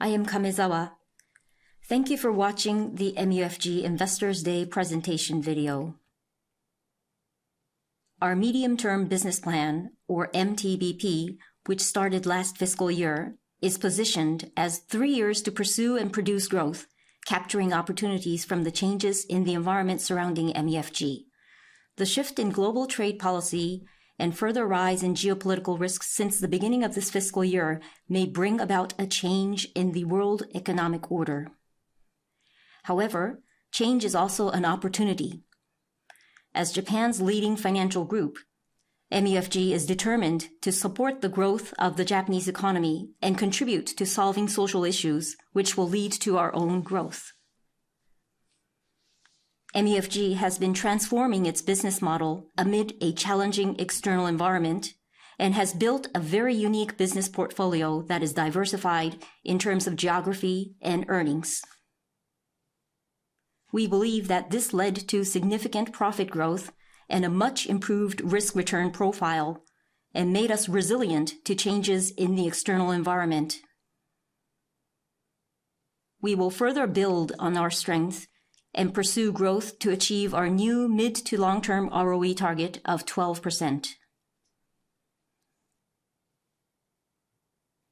I am Kamezawa. Thank you for watching the MUFG Investors' Day presentation video. Our Medium-Term Business Plan, or MTBP, which started last fiscal year, is positioned as three years to pursue and produce growth, capturing opportunities from the changes in the environment surrounding MUFG. The shift in global trade policy and further rise in geopolitical risks since the beginning of this fiscal year may bring about a change in the world economic order. However, change is also an opportunity. As Japan's leading financial group, MUFG is determined to support the growth of the Japanese economy and contribute to solving social issues, which will lead to our own growth. MUFG has been transforming its business model amid a challenging external environment and has built a very unique business portfolio that is diversified in terms of geography and earnings. We believe that this led to significant profit growth and a much improved risk-return profile, and made us resilient to changes in the external environment. We will further build on our strengths and pursue growth to achieve our new mid-to-long-term ROE target of 12%.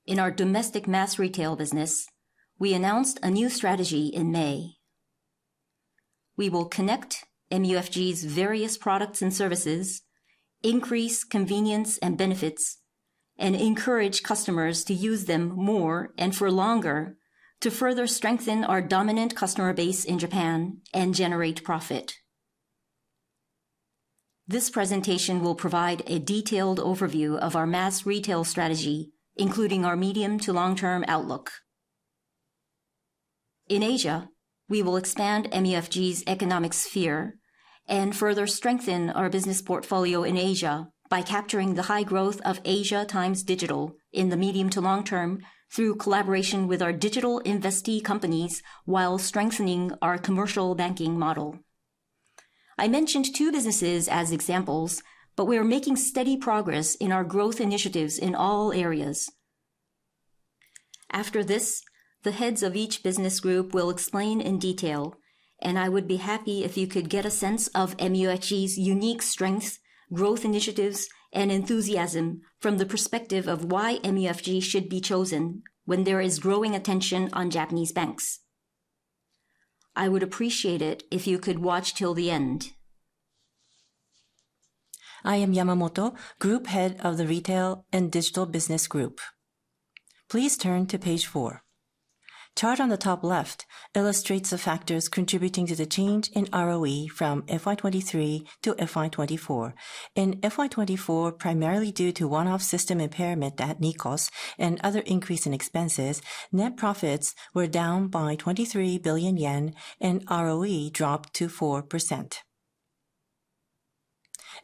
In our domestic mass retail business, we announced a new strategy in May. We will connect MUFG's various products and services, increase convenience and benefits, and encourage customers to use them more and for longer to further strengthen our dominant customer base in Japan and generate profit. This presentation will provide a detailed overview of our mass retail strategy, including our medium-to-long-term outlook. In Asia, we will expand MUFG's economic sphere and further strengthen our business portfolio in Asia by capturing the high growth of Asia times digital in the medium-to-long term through collaboration with our digital investee companies while strengthening our commercial banking model. I mentioned two businesses as examples, but we are making steady progress in our growth initiatives in all areas. After this, the heads of each business group will explain in detail, and I would be happy if you could get a sense of MUFG's unique strengths, growth initiatives, and enthusiasm from the perspective of why MUFG should be chosen when there is growing attention on Japanese banks. I would appreciate it if you could watch till the end. I am Yamamoto, Group Head of the Retail and Digital Business Group. Please turn to page 4. Chart on the top left illustrates the factors contributing to the change in ROE from FY2023 to FY2024. In FY2024, primarily due to one-off system impairment at Nikos and other increase in expenses, net profits were down by 23 billion yen, and ROE dropped to 4%.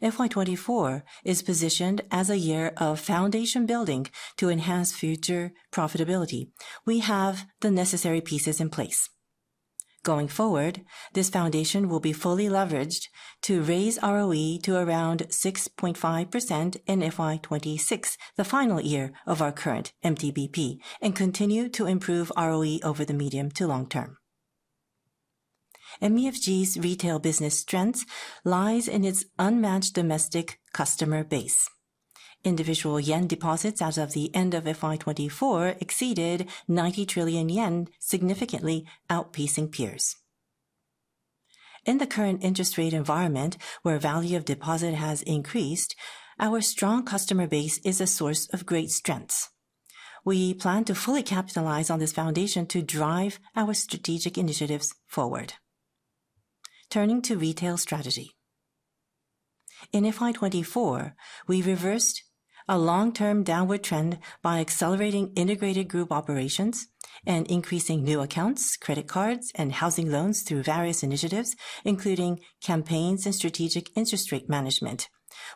FY2024 is positioned as a year of foundation building to enhance future profitability. We have the necessary pieces in place. Going forward, this foundation will be fully leveraged to raise ROE to around 6.5% in FY2026, the final year of our current MTBP, and continue to improve ROE over the medium to long term. MUFG's retail business strength lies in its unmatched domestic customer base. Individual yen deposits as of the end of FY2024 exceeded 90 trillion yen, significantly outpacing peers. In the current interest rate environment, where value of deposit has increased, our strong customer base is a source of great strength. We plan to fully capitalize on this foundation to drive our strategic initiatives forward. Turning to retail strategy. In FY2024, we reversed a long-term downward trend by accelerating integrated group operations and increasing new accounts, credit cards, and housing loans through various initiatives, including campaigns and strategic interest rate management.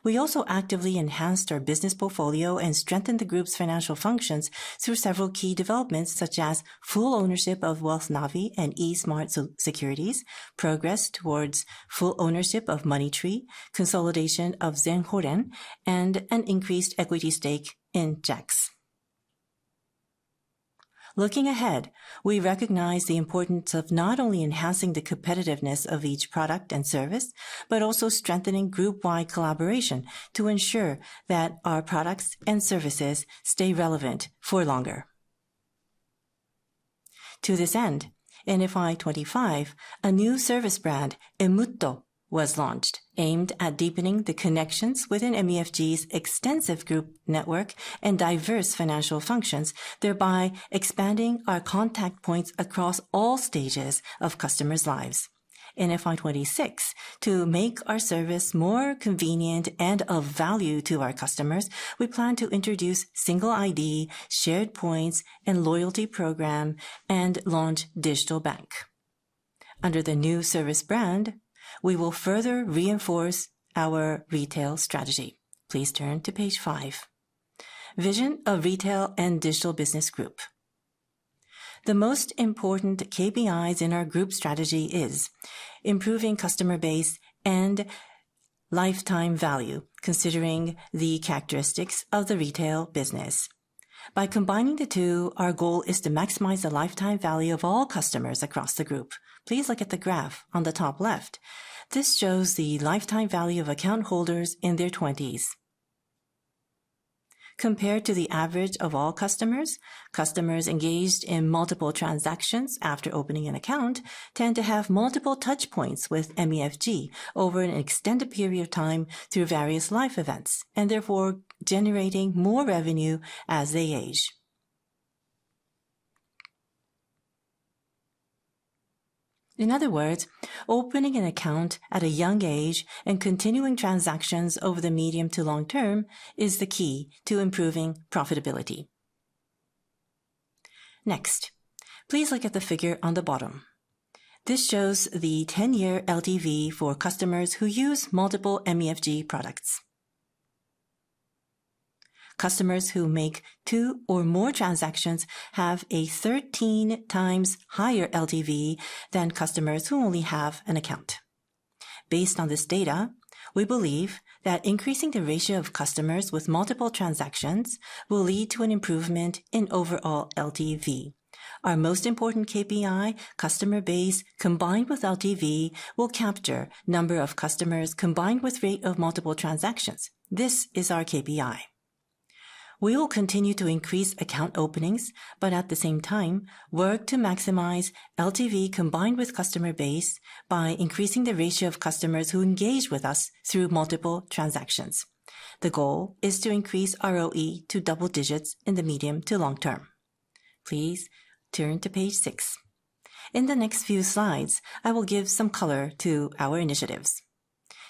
We also actively enhanced our business portfolio and strengthened the group's financial functions through several key developments, such as full ownership of WealthNavi and eSmart Securities, progress towards full ownership of MoneyTree, consolidation of ZenHoren, and an increased equity stake in JAX. Looking ahead, we recognize the importance of not only enhancing the competitiveness of each product and service, but also strengthening group-wide collaboration to ensure that our products and services stay relevant for longer. To this end, in FY2025, a new service brand, Emutto, was launched, aimed at deepening the connections within MUFG's extensive group network and diverse financial functions, thereby expanding our contact points across all stages of customers' lives. In FY2026, to make our service more convenient and of value to our customers, we plan to introduce single ID, shared points, and loyalty program, and launch digital bank. Under the new service brand, we will further reinforce our retail strategy. Please turn to page 5. Vision of Retail and Digital Business Group. The most important KPIs in our group strategy is improving customer base and lifetime value, considering the characteristics of the retail business. By combining the two, our goal is to maximize the lifetime value of all customers across the group. Please look at the graph on the top left. This shows the lifetime value of account holders in their twenties. Compared to the average of all customers, customers engaged in multiple transactions after opening an account tend to have multiple touch points with MUFG over an extended period of time through various life events, and therefore generating more revenue as they age. In other words, opening an account at a young age and continuing transactions over the medium to long term is the key to improving profitability. Next, please look at the figure on the bottom. This shows the 10-year LTV for customers who use multiple MUFG products. Customers who make two or more transactions have a 13 times higher LTV than customers who only have an account. Based on this data, we believe that increasing the ratio of customers with multiple transactions will lead to an improvement in overall LTV. Our most important KPI, customer base combined with LTV, will capture number of customers combined with rate of multiple transactions. This is our KPI. We will continue to increase account openings, but at the same time, work to maximize LTV combined with customer base by increasing the ratio of customers who engage with us through multiple transactions. The goal is to increase ROE to double digits in the medium to long term. Please turn to page 6. In the next few slides, I will give some color to our initiatives.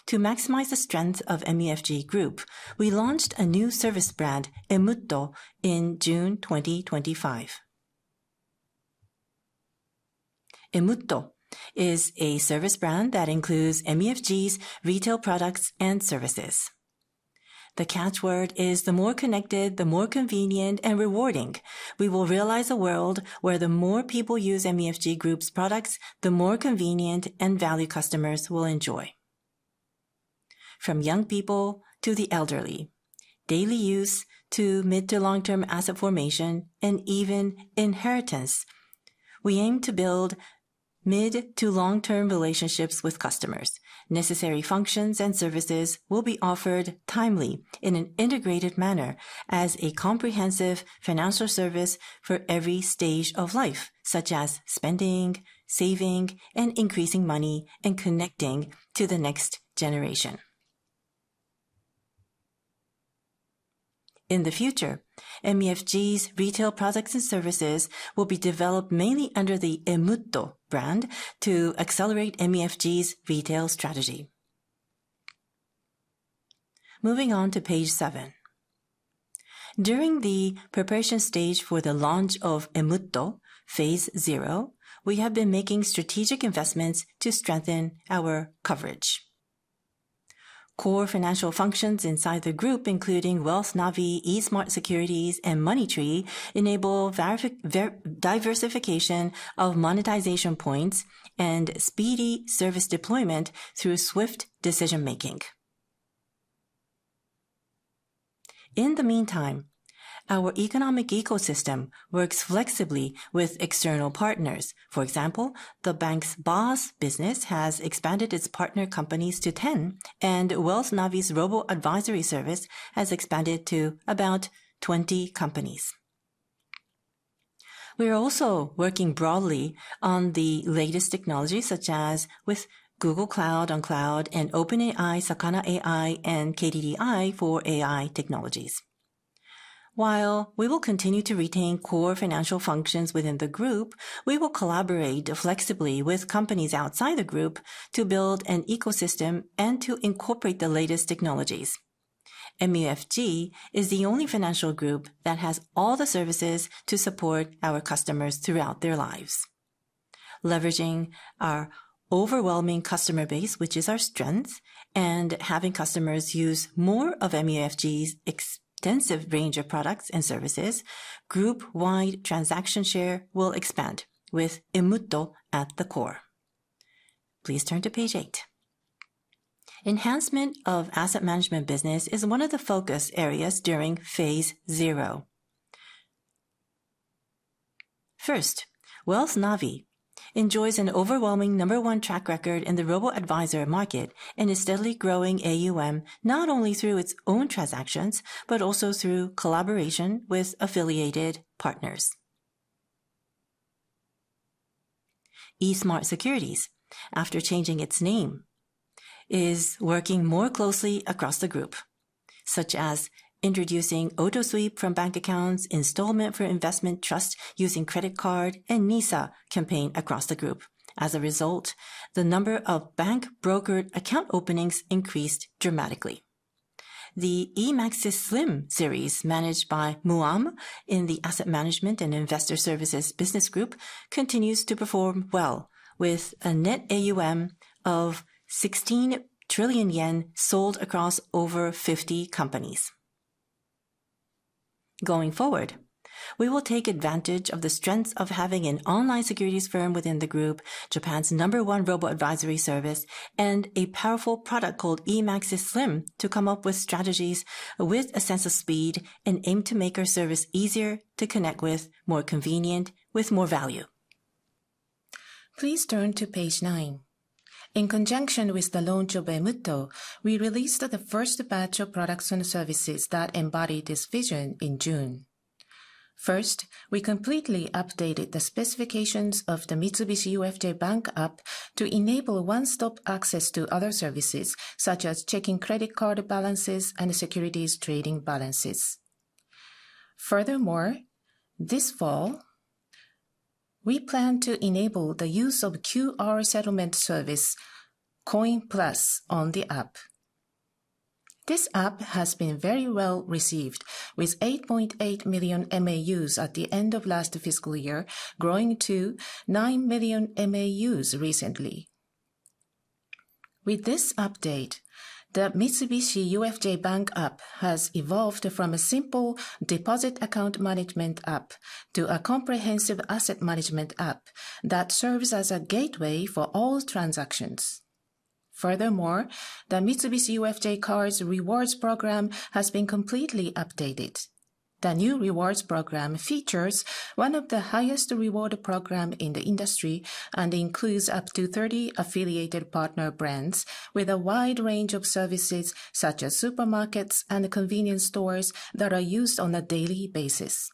To maximize the strength of MUFG Group, we launched a new service brand, Emutto, in June 2025. Emutto is a service brand that includes MUFG's retail products and services. The catchword is, "The more connected, the more convenient and rewarding." We will realize a world where the more people use MUFG Group's products, the more convenient and valued customers will enjoy. From young people to the elderly, daily use to mid-to-long-term asset formation, and even inheritance, we aim to build mid-to-long-term relationships with customers. Necessary functions and services will be offered timely in an integrated manner as a comprehensive financial service for every stage of life, such as spending, saving, and increasing money and connecting to the next generation. In the future, MUFG's retail products and services will be developed mainly under the Emutto brand to accelerate MUFG's retail strategy. Moving on to page 7. During the preparation stage for the launch of Emutto, phase 0, we have been making strategic investments to strengthen our coverage. Core financial functions inside the group, including WealthNavi, eSmart Securities, and MoneyTree, enable diversification of monetization points and speedy service deployment through swift decision-making. In the meantime, our economic ecosystem works flexibly with external partners. For example, the bank's BOSS business has expanded its partner companies to 10, and WealthNavi's robo-advisory service has expanded to about 20 companies. We are also working broadly on the latest technologies, such as with Google Cloud on Cloud and OpenAI, Sakana AI, and KDDI for AI technologies. While we will continue to retain core financial functions within the group, we will collaborate flexibly with companies outside the group to build an ecosystem and to incorporate the latest technologies. MUFG is the only financial group that has all the services to support our customers throughout their lives. Leveraging our overwhelming customer base, which is our strength, and having customers use more of MUFG's extensive range of products and services, group-wide transaction share will expand, with Emutto at the core. Please turn to page 8. Enhancement of asset management business is one of the focus areas during phase 0. First, WealthNavi enjoys an overwhelming number one track record in the robo-advisor market and is steadily growing AUM not only through its own transactions, but also through collaboration with affiliated partners. eSmart Securities, after changing its name, is working more closely across the group, such as introducing OtoSweep from bank accounts, installment for investment trust using credit card, and NISA campaign across the group. As a result, the number of bank-brokered account openings increased dramatically. The eMAXIS SLIM series, managed by Mitsubishi UFJ Asset Management in the Asset Management and Investor Services Business Group, continues to perform well, with a net AUM of 16 trillion yen sold across over 50 companies. Going forward, we will take advantage of the strengths of having an online securities firm within the group, Japan's number one robo-advisory service, and a powerful product called eMAXIS SLIM to come up with strategies with a sense of speed and aim to make our service easier to connect with, more convenient, with more value. Please turn to page 9. In conjunction with the launch of Emutto, we released the first batch of products and services that embody this vision in June. First, we completely updated the specifications of the Mitsubishi UFJ Bank app to enable one-stop access to other services, such as checking credit card balances and securities trading balances. Furthermore, this fall. We plan to enable the use of QR settlement service. Coin Plus on the app. This app has been very well received, with 8.8 million MAUs at the end of last fiscal year, growing to 9 million MAUs recently. With this update, the Mitsubishi UFJ Bank app has evolved from a simple deposit account management app to a comprehensive asset management app that serves as a gateway for all transactions. Furthermore, the Mitsubishi UFJ Cards rewards program has been completely updated. The new rewards program features one of the highest rewards programs in the industry and includes up to 30 affiliated partner brands, with a wide range of services such as supermarkets and convenience stores that are used on a daily basis.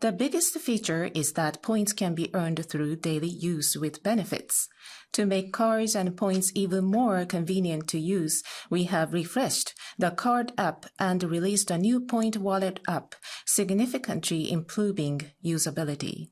The biggest feature is that points can be earned through daily use with benefits. To make cards and points even more convenient to use, we have refreshed the card app and released a new point wallet app, significantly improving usability.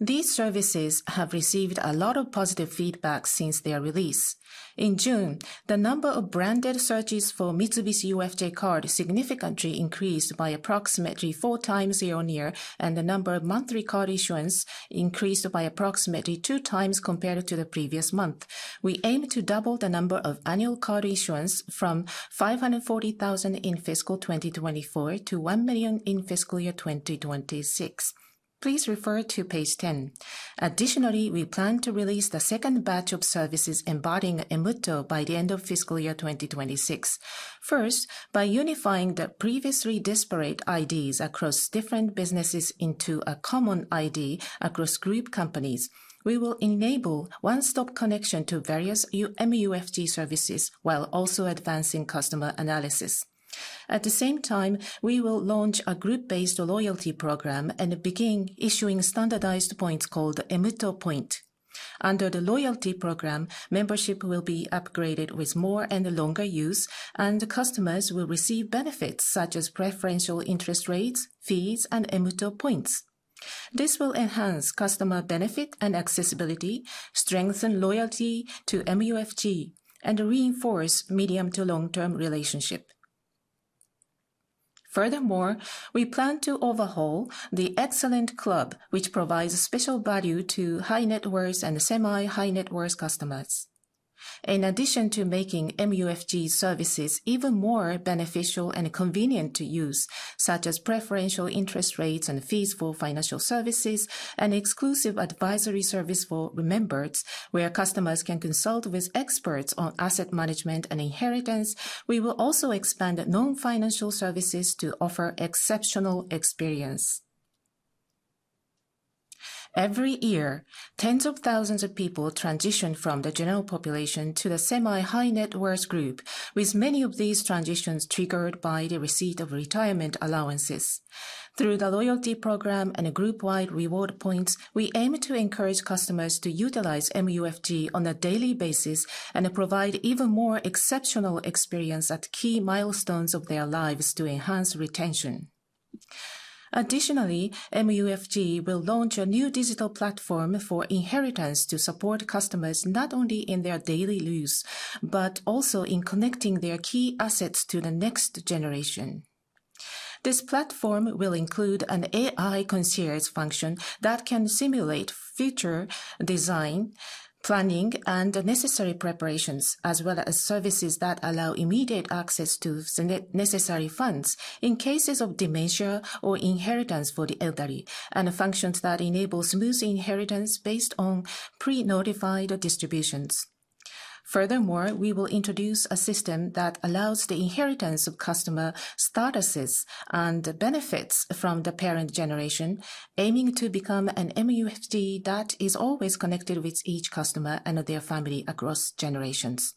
These services have received a lot of positive feedback since their release. In June, the number of branded searches for Mitsubishi UFJ Cards significantly increased by approximately four times year on year, and the number of monthly card issuance increased by approximately two times compared to the previous month. We aim to double the number of annual card issuance from 540,000 in fiscal 2024 to 1 million in fiscal year 2026. Please refer to page 10. Additionally, we plan to release the second batch of services embodying Emutto by the end of fiscal year 2026. First, by unifying the previously disparate IDs across different businesses into a common ID across group companies, we will enable one-stop connection to various MUFG services while also advancing customer analysis. At the same time, we will launch a group-based loyalty program and begin issuing standardized points called Emutto Point. Under the loyalty program, membership will be upgraded with more and longer use, and customers will receive benefits such as preferential interest rates, fees, and Emutto points. This will enhance customer benefit and accessibility, strengthen loyalty to MUFG, and reinforce medium to long-term relationships. Furthermore, we plan to overhaul the Excellent Club, which provides special value to high net worths and semi-high net worth customers. In addition to making MUFG services even more beneficial and convenient to use, such as preferential interest rates and fees for financial services, and exclusive advisory service for remembered where customers can consult with experts on asset management and inheritance, we will also expand non-financial services to offer exceptional experience. Every year, tens of thousands of people transition from the general population to the semi-high net worth group, with many of these transitions triggered by the receipt of retirement allowances. Through the loyalty program and group-wide reward points, we aim to encourage customers to utilize MUFG on a daily basis and provide even more exceptional experience at key milestones of their lives to enhance retention. Additionally, MUFG will launch a new digital platform for inheritance to support customers not only in their daily use but also in connecting their key assets to the next generation. This platform will include an AI concierge function that can simulate future design, planning and necessary preparations, as well as services that allow immediate access to necessary funds in cases of dementia or inheritance for the elderly, and functions that enable smooth inheritance based on pre-notified distributions. Furthermore, we will introduce a system that allows the inheritance of customer statuses and benefits from the parent generation, aiming to become an MUFG that is always connected with each customer and their family across generations.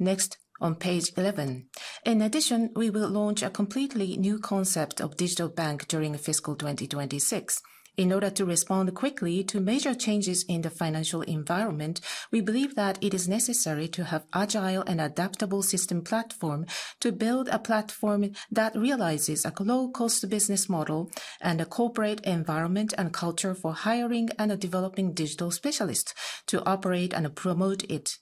Next, on page 11, in addition, we will launch a completely new concept of digital bank during fiscal 2026. In order to respond quickly to major changes in the financial environment, we believe that it is necessary to have an agile and adaptable system platform to build a platform that realizes a low-cost business model and a corporate environment and culture for hiring and developing digital specialists to operate and promote it.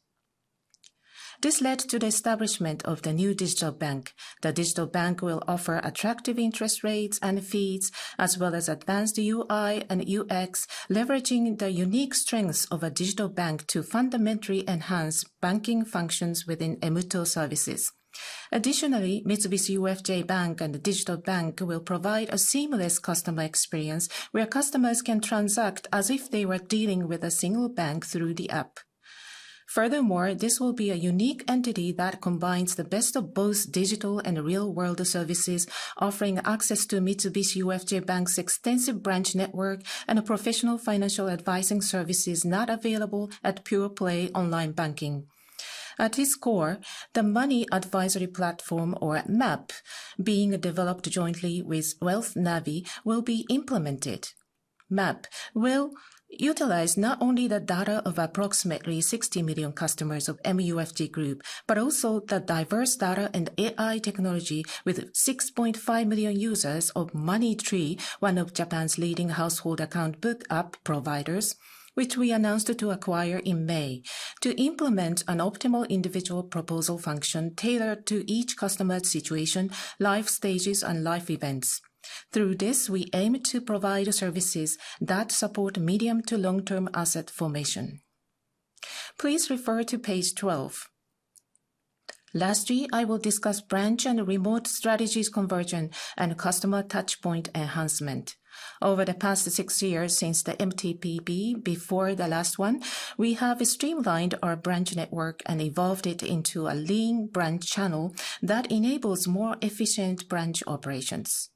This led to the establishment of the new digital bank. The digital bank will offer attractive interest rates and fees, as well as advanced UI and UX, leveraging the unique strengths of a digital bank to fundamentally enhance banking functions within Emutto services. Additionally, Mitsubishi UFJ Bank and the digital bank will provide a seamless customer experience where customers can transact as if they were dealing with a single bank through the app. Furthermore, this will be a unique entity that combines the best of both digital and real-world services, offering access to Mitsubishi UFJ Bank's extensive branch network and professional financial advising services not available at pure play online banking. At its core, the money advisory platform, or MAP, being developed jointly with WealthNavi, will be implemented. MAP will utilize not only the data of approximately 60 million customers of MUFG Group, but also the diverse data and AI technology with 6.5 million users of MoneyTree, one of Japan's leading household account book app providers, which we announced to acquire in May, to implement an optimal individual proposal function tailored to each customer's situation, life stages, and life events. Through this, we aim to provide services that support medium to long-term asset formation. Please refer to page 12. Lastly, I will discuss branch and remote strategies conversion and customer touchpoint enhancement. Over the past six years since the MTBP, before the last one, we have streamlined our branch network and evolved it into a lean branch channel that enables more efficient branch operations.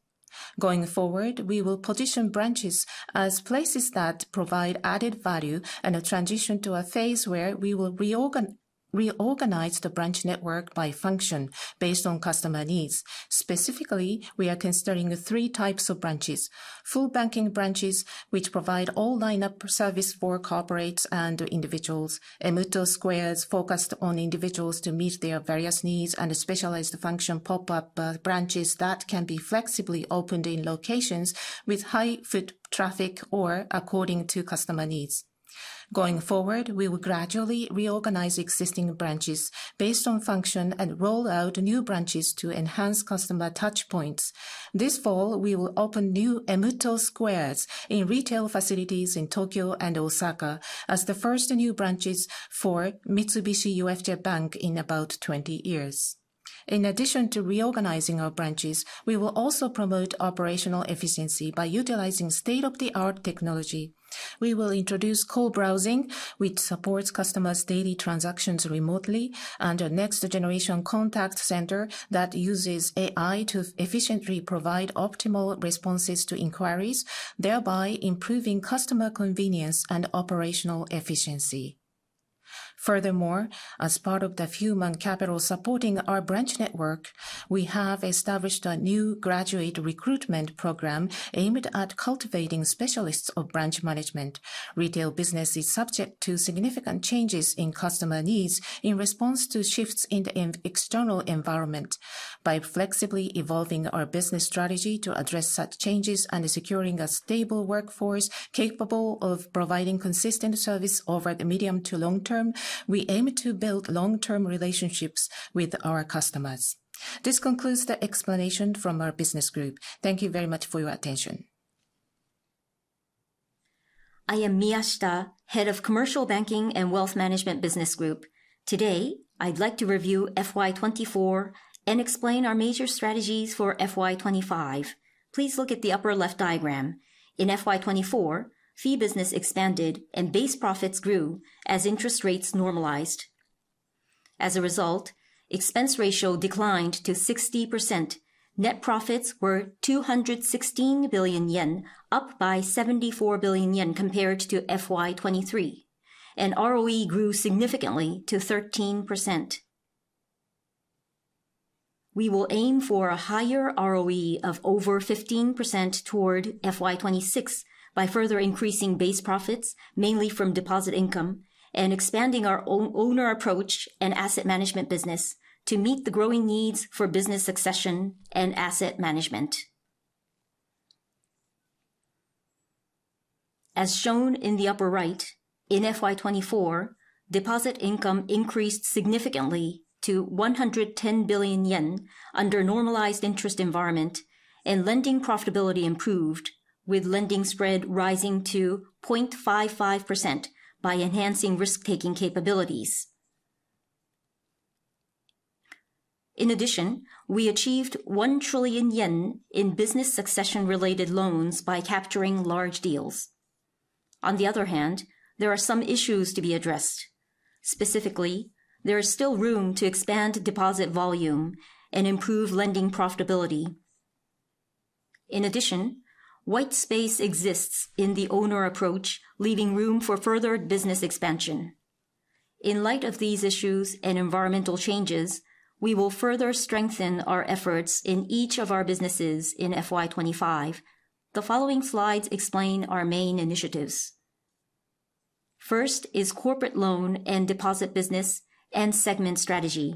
Going forward, we will position branches as places that provide added value and a transition to a phase where we will reorganize the branch network by function based on customer needs. Specifically, we are considering three types of branches: full banking branches, which provide all lineup service for corporates and individuals; Emutto Squares, focused on individuals to meet their various needs; and specialized function pop-up branches that can be flexibly opened in locations with high foot traffic or according to customer needs. Going forward, we will gradually reorganize existing branches based on function and roll out new branches to enhance customer touchpoints. This fall, we will open new Emutto Squares in retail facilities in Tokyo and Osaka as the first new branches for Mitsubishi UFJ Bank in about 20 years. In addition to reorganizing our branches, we will also promote operational efficiency by utilizing state-of-the-art technology. We will introduce co-browsing, which supports customers' daily transactions remotely, and a next-generation contact center that uses AI to efficiently provide optimal responses to inquiries, thereby improving customer convenience and operational efficiency. Furthermore, as part of the human capital supporting our branch network, we have established a new graduate recruitment program aimed at cultivating specialists of branch management. Retail business is subject to significant changes in customer needs in response to shifts in the external environment. By flexibly evolving our business strategy to address such changes and securing a stable workforce capable of providing consistent service over the medium to long term, we aim to build long-term relationships with our customers. This concludes the explanation from our business group. Thank you very much for your attention. I am Miyashita, Head of Commercial Banking and Wealth Management Business Group. Today, I'd like to review FY2024 and explain our major strategies for FY2025. Please look at the upper left diagram. In FY2024, fee business expanded and base profits grew as interest rates normalized. As a result, expense ratio declined to 60%. Net profits were 216 billion yen, up by 74 billion yen compared to FY2023. ROE grew significantly to 13%. We will aim for a higher ROE of over 15% toward FY2026 by further increasing base profits, mainly from deposit income, and expanding our owner approach and asset management business to meet the growing needs for business succession and asset management. As shown in the upper right, in FY2024, deposit income increased significantly to 110 billion yen under normalized interest environment, and lending profitability improved, with lending spread rising to 0.55% by enhancing risk-taking capabilities. In addition, we achieved 1 trillion yen in business succession-related loans by capturing large deals. On the other hand, there are some issues to be addressed. Specifically, there is still room to expand deposit volume and improve lending profitability. In addition, white space exists in the owner approach, leaving room for further business expansion. In light of these issues and environmental changes, we will further strengthen our efforts in each of our businesses in FY2025. The following slides explain our main initiatives. First is corporate loan and deposit business and segment strategy.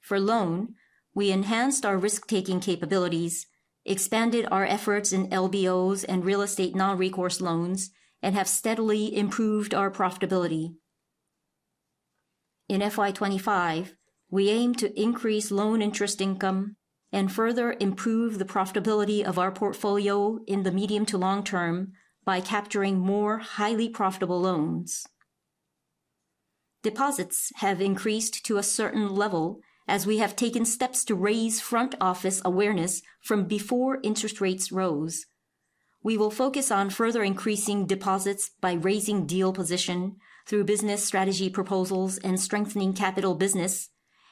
For loan, we enhanced our risk-taking capabilities, expanded our efforts in LBOs and real estate non-recourse loans, and have steadily improved our profitability. In FY2025, we aim to increase loan interest income and further improve the profitability of our portfolio in the medium to long term by capturing more highly profitable loans. Deposits have increased to a certain level as we have taken steps to raise front office awareness from before interest rates rose. We will focus on further increasing deposits by raising deal position through business strategy proposals and strengthening capital business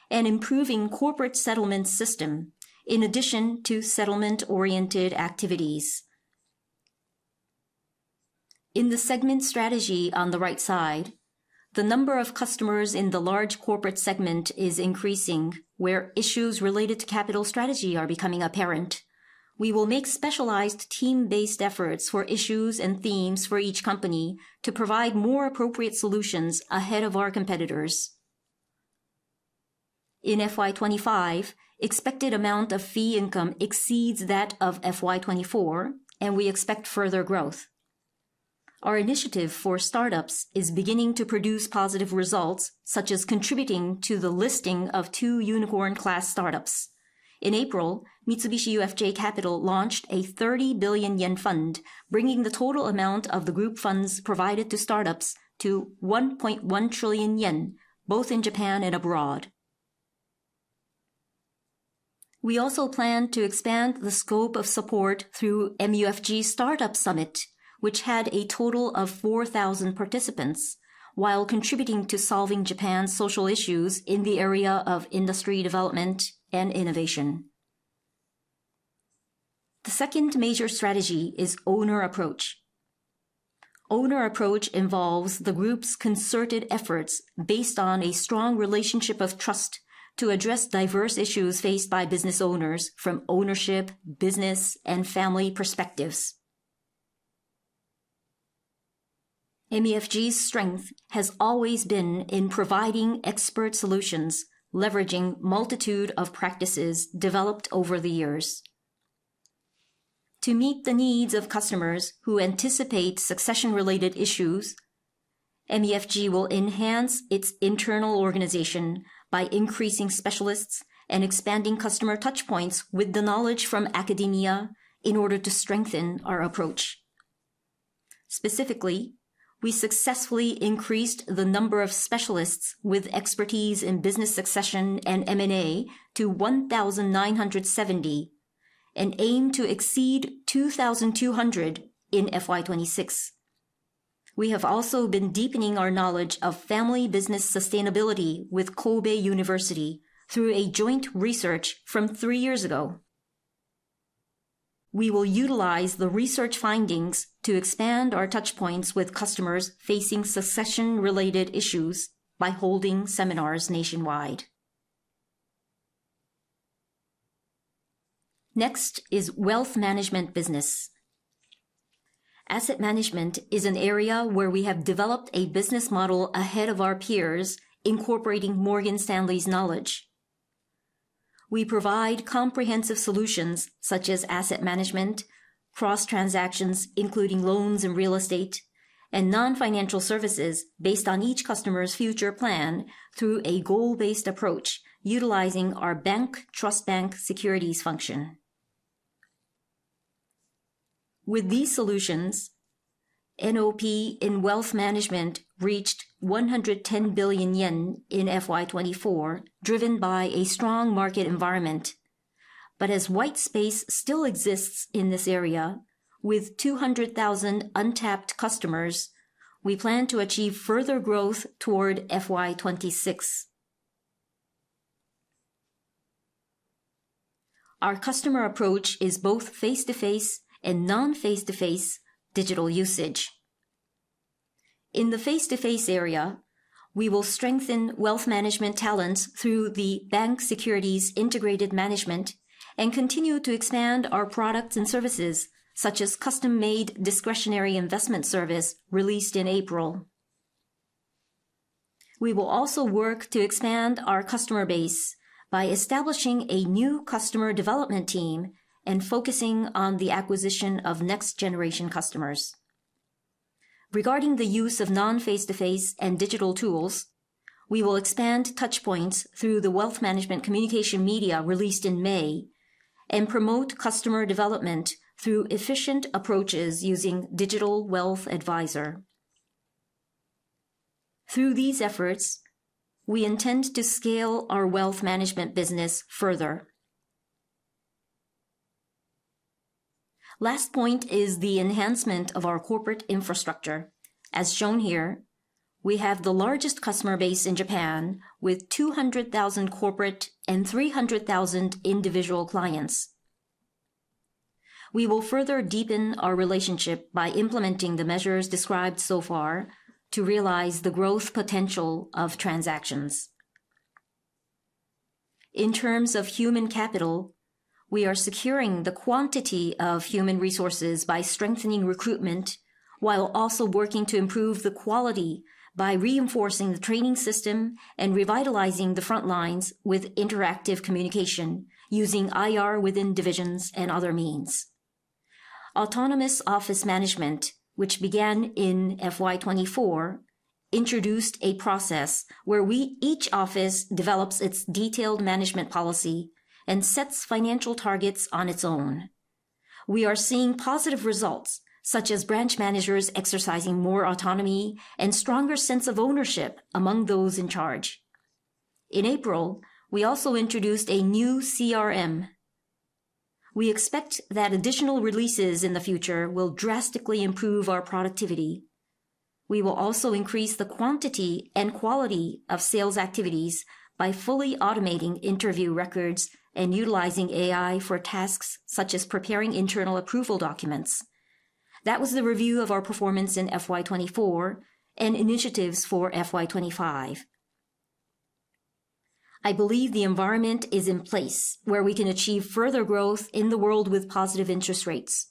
and improving the corporate settlement system in addition to settlement-oriented activities. In the segment strategy on the right side, the number of customers in the large corporate segment is increasing, where issues related to capital strategy are becoming apparent. We will make specialized team-based efforts for issues and themes for each company to provide more appropriate solutions ahead of our competitors. In FY2025, the expected amount of fee income exceeds that of FY2024, and we expect further growth. Our initiative for startups is beginning to produce positive results, such as contributing to the listing of two unicorn-class startups. In April, Mitsubishi UFJ Capital launched a 30 billion yen fund, bringing the total amount of the group funds provided to startups to 1.1 trillion yen, both in Japan and abroad. We also plan to expand the scope of support through MUFG Startup Summit, which had a total of 4,000 participants, while contributing to solving Japan's social issues in the area of industry development and innovation. The second major strategy is owner approach. Owner approach involves the group's concerted efforts based on a strong relationship of trust to address diverse issues faced by business owners from ownership, business, and family perspectives. MUFG's strength has always been in providing expert solutions, leveraging a multitude of practices developed over the years. To meet the needs of customers who anticipate succession-related issues, MUFG will enhance its internal organization by increasing specialists and expanding customer touchpoints with the knowledge from academia in order to strengthen our approach. Specifically, we successfully increased the number of specialists with expertise in business succession and M&A to 1,970 and aim to exceed 2,200 in FY2026. We have also been deepening our knowledge of family business sustainability with Kobe University through a joint research from three years ago. We will utilize the research findings to expand our touchpoints with customers facing succession-related issues by holding seminars nationwide. Next is wealth management business. Asset management is an area where we have developed a business model ahead of our peers, incorporating Morgan Stanley's knowledge. We provide comprehensive solutions such as asset management, cross transactions, including loans and real estate, and non-financial services based on each customer's future plan through a goal-based approach, utilizing our bank trust bank securities function. With these solutions, NOP in wealth management reached 110 billion yen in FY2024, driven by a strong market environment. As white space still exists in this area, with 200,000 untapped customers, we plan to achieve further growth toward FY2026. Our customer approach is both face-to-face and non-face-to-face digital usage. In the face-to-face area, we will strengthen wealth management talents through the bank securities integrated management and continue to expand our products and services, such as custom-made discretionary investment service released in April. We will also work to expand our customer base by establishing a new customer development team and focusing on the acquisition of next-generation customers. Regarding the use of non-face-to-face and digital tools, we will expand touchpoints through the wealth management communication media released in May and promote customer development through efficient approaches using digital wealth advisor. Through these efforts, we intend to scale our wealth management business further. The last point is the enhancement of our corporate infrastructure. As shown here, we have the largest customer base in Japan, with 200,000 corporate and 300,000 individual clients. We will further deepen our relationship by implementing the measures described so far to realize the growth potential of transactions. In terms of human capital, we are securing the quantity of human resources by strengthening recruitment while also working to improve the quality by reinforcing the training system and revitalizing the front lines with interactive communication using IR within divisions and other means. Autonomous office management, which began in fiscal year 2024, introduced a process where each office develops its detailed management policy and sets financial targets on its own. We are seeing positive results, such as branch managers exercising more autonomy and a stronger sense of ownership among those in charge. In April, we also introduced a new CRM. We expect that additional releases in the future will drastically improve our productivity. We will also increase the quantity and quality of sales activities by fully automating interview records and utilizing AI for tasks such as preparing internal approval documents. That was the review of our performance in fiscal year 2024 and initiatives for fiscal year 2025. I believe the environment is in place where we can achieve further growth in the world with positive interest rates.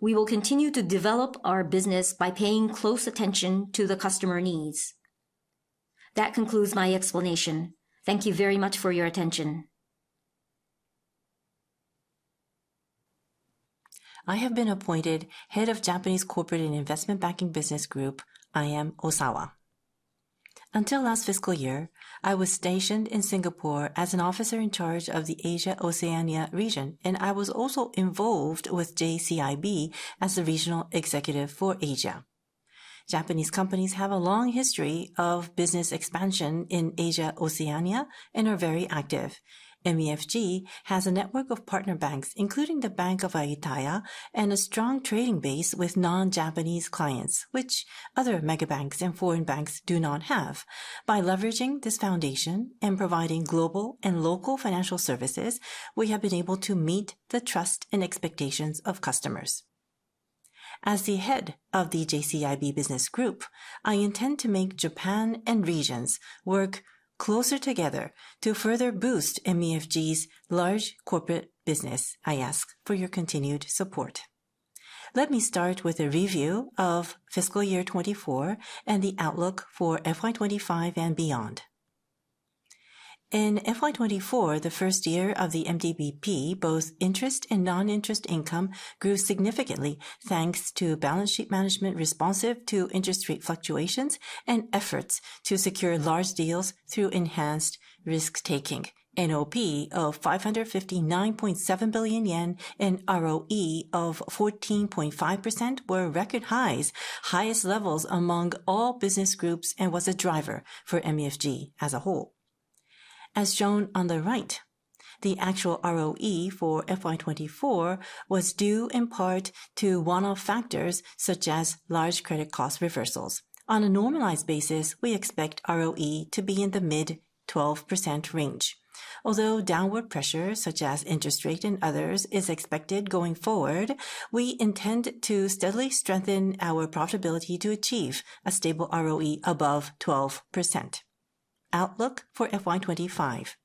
We will continue to develop our business by paying close attention to the customer needs. That concludes my explanation. Thank you very much for your attention. I have been appointed Head of Japanese Corporate and Investment Banking Business Group, IM Osawa. Until last fiscal year, I was stationed in Singapore as an officer in charge of the Asia-Oceania region, and I was also involved with JCIB as the regional executive for Asia. Japanese companies have a long history of business expansion in Asia-Oceania and are very active. MUFG has a network of partner banks, including the Bank of Ayutthaya, and a strong trading base with non-Japanese clients, which other mega banks and foreign banks do not have. By leveraging this foundation and providing global and local financial services, we have been able to meet the trust and expectations of customers. As the Head of the JCIB Business Group, I intend to make Japan and regions work closer together to further boost MUFG's large corporate business. I ask for your continued support. Let me start with a review of fiscal year 2024 and the outlook for fiscal year 2025 and beyond. In fiscal year 2024, the first year of the MDBP, both interest and non-interest income grew significantly thanks to balance sheet management responsive to interest rate fluctuations and efforts to secure large deals through enhanced risk-taking. NOP of 559.7 billion yen and ROE of 14.5% were record highs, highest levels among all business groups and was a driver for MUFG as a whole. As shown on the right, the actual ROE for fiscal year 2024 was due in part to one-off factors such as large credit cost reversals. On a normalized basis, we expect ROE to be in the mid-12% range. Although downward pressure such as interest rate and others is expected going forward, we intend to steadily strengthen our profitability to achieve a stable ROE above 12%. Outlook for fiscal year 2025.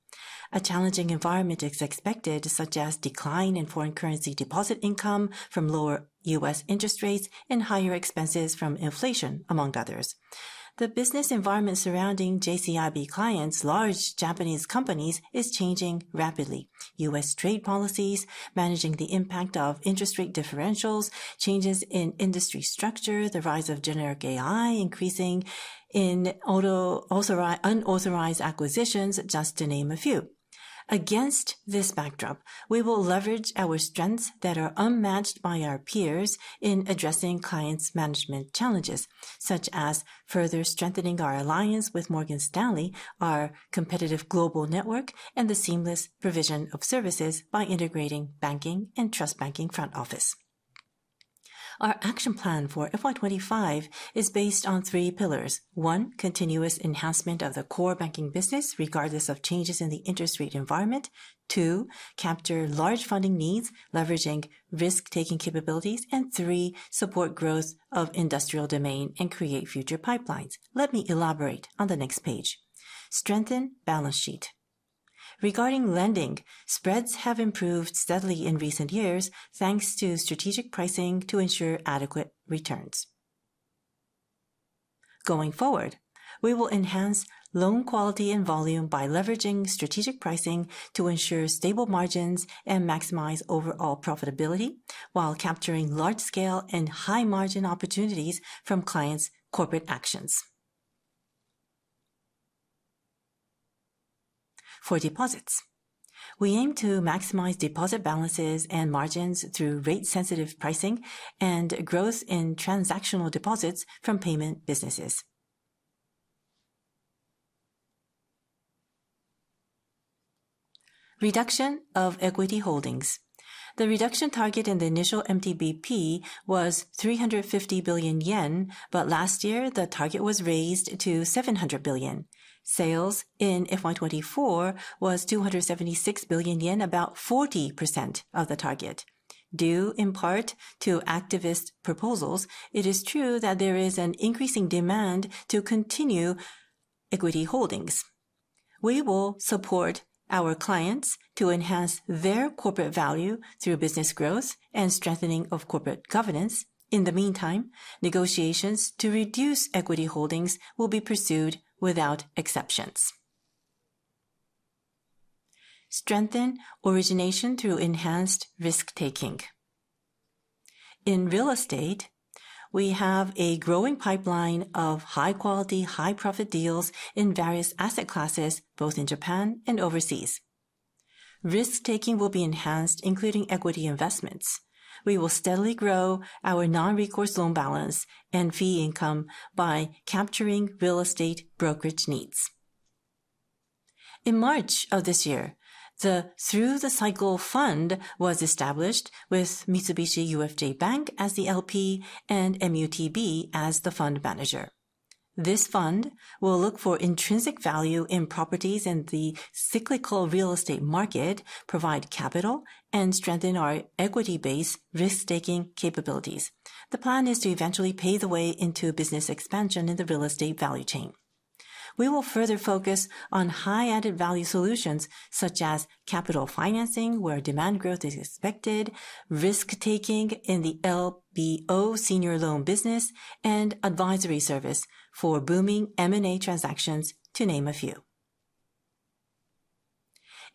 A challenging environment is expected, such as a decline in foreign currency deposit income from lower U.S. interest rates and higher expenses from inflation, among others. The business environment surrounding JCIB clients, large Japanese companies, is changing rapidly. U.S. trade policies, managing the impact of interest rate differentials, changes in industry structure, the rise of generative AI, increasing in unauthorized acquisitions, just to name a few. Against this backdrop, we will leverage our strengths that are unmatched by our peers in addressing clients' management challenges, such as further strengthening our alliance with Morgan Stanley, our competitive global network, and the seamless provision of services by integrating banking and trust banking front office. Our action plan for FY2025 is based on three pillars. One, continuous enhancement of the core banking business, regardless of changes in the interest rate environment. Two, capture large funding needs, leveraging risk-taking capabilities, and three, support growth of industrial demand and create future pipelines. Let me elaborate on the next page. Strengthen balance sheet. Regarding lending, spreads have improved steadily in recent years thanks to strategic pricing to ensure adequate returns. Going forward, we will enhance loan quality and volume by leveraging strategic pricing to ensure stable margins and maximize overall profitability while capturing large-scale and high-margin opportunities from clients' corporate actions. For deposits, we aim to maximize deposit balances and margins through rate-sensitive pricing and growth in transactional deposits from payment businesses. Reduction of equity holdings. The reduction target in the initial MTBP was 350 billion yen, but last year, the target was raised to 700 billion. Sales in FY2024 was 276 billion yen, about 40% of the target. Due in part to activist proposals, it is true that there is an increasing demand to continue equity holdings. We will support our clients to enhance their corporate value through business growth and strengthening of corporate governance. In the meantime, negotiations to reduce equity holdings will be pursued without exceptions. Strengthen origination through enhanced risk-taking. In real estate, we have a growing pipeline of high-quality, high-profit deals in various asset classes, both in Japan and overseas. Risk-taking will be enhanced, including equity investments. We will steadily grow our non-recourse loan balance and fee income by capturing real estate brokerage needs. In March of this year, the Through the Cycle Fund was established with Mitsubishi UFJ Bank as the LP and MUTB as the fund manager. This fund will look for intrinsic value in properties in the cyclical real estate market, provide capital, and strengthen our equity-based risk-taking capabilities. The plan is to eventually pave the way into business expansion in the real estate value chain. We will further focus on high-added value solutions such as capital financing, where demand growth is expected, risk-taking in the leveraged buyout senior loan business, and advisory service for booming M&A transactions, to name a few.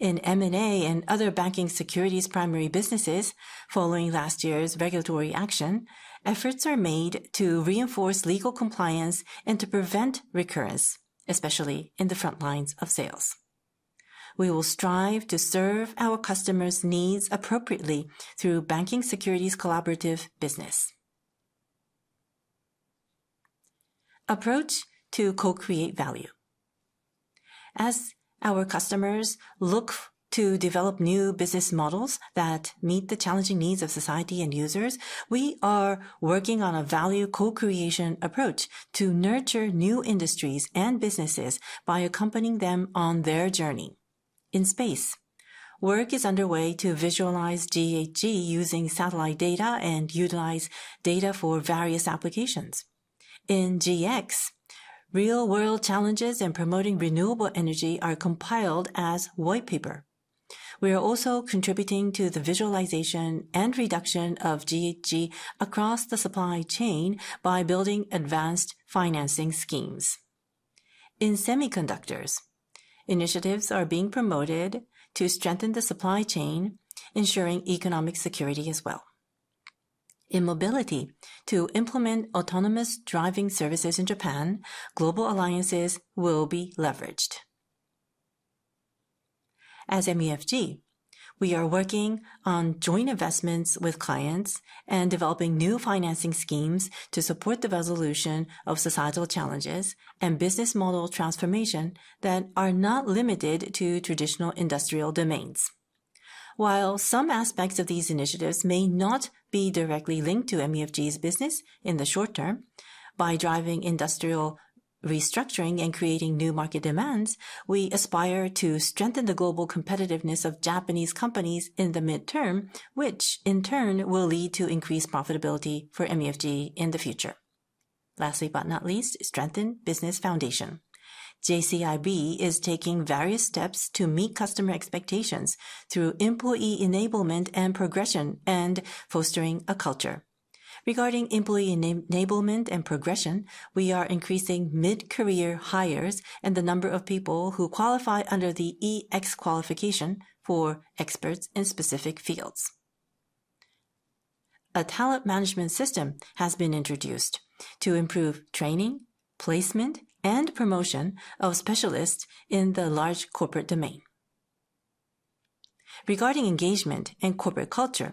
In M&A and other banking securities primary businesses, following last year's regulatory action, efforts are made to reinforce legal compliance and to prevent recurrence, especially in the front lines of sales. We will strive to serve our customers' needs appropriately through banking securities collaborative business. Approach to co-create value. As our customers look to develop new business models that meet the challenging needs of society and users, we are working on a value co-creation approach to nurture new industries and businesses by accompanying them on their journey. In space, work is underway to visualize GHG using satellite data and utilize data for various applications. In GX, real-world challenges in promoting renewable energy are compiled as white paper. We are also contributing to the visualization and reduction of GHG across the supply chain by building advanced financing schemes. In semiconductors, initiatives are being promoted to strengthen the supply chain, ensuring economic security as well. In mobility, to implement autonomous driving services in Japan, global alliances will be leveraged. As MUFG, we are working on joint investments with clients and developing new financing schemes to support the resolution of societal challenges and business model transformation that are not limited to traditional industrial domains. While some aspects of these initiatives may not be directly linked to MUFG's business in the short term, by driving industrial restructuring and creating new market demands, we aspire to strengthen the global competitiveness of Japanese companies in the midterm, which in turn will lead to increased profitability for MUFG in the future. Lastly, but not least, strengthen business foundation. JCIB is taking various steps to meet customer expectations through employee enablement and progression and fostering a culture. Regarding employee enablement and progression, we are increasing mid-career hires and the number of people who qualify under the EX qualification for experts in specific fields. A talent management system has been introduced to improve training, placement, and promotion of specialists in the large corporate domain. Regarding engagement and corporate culture,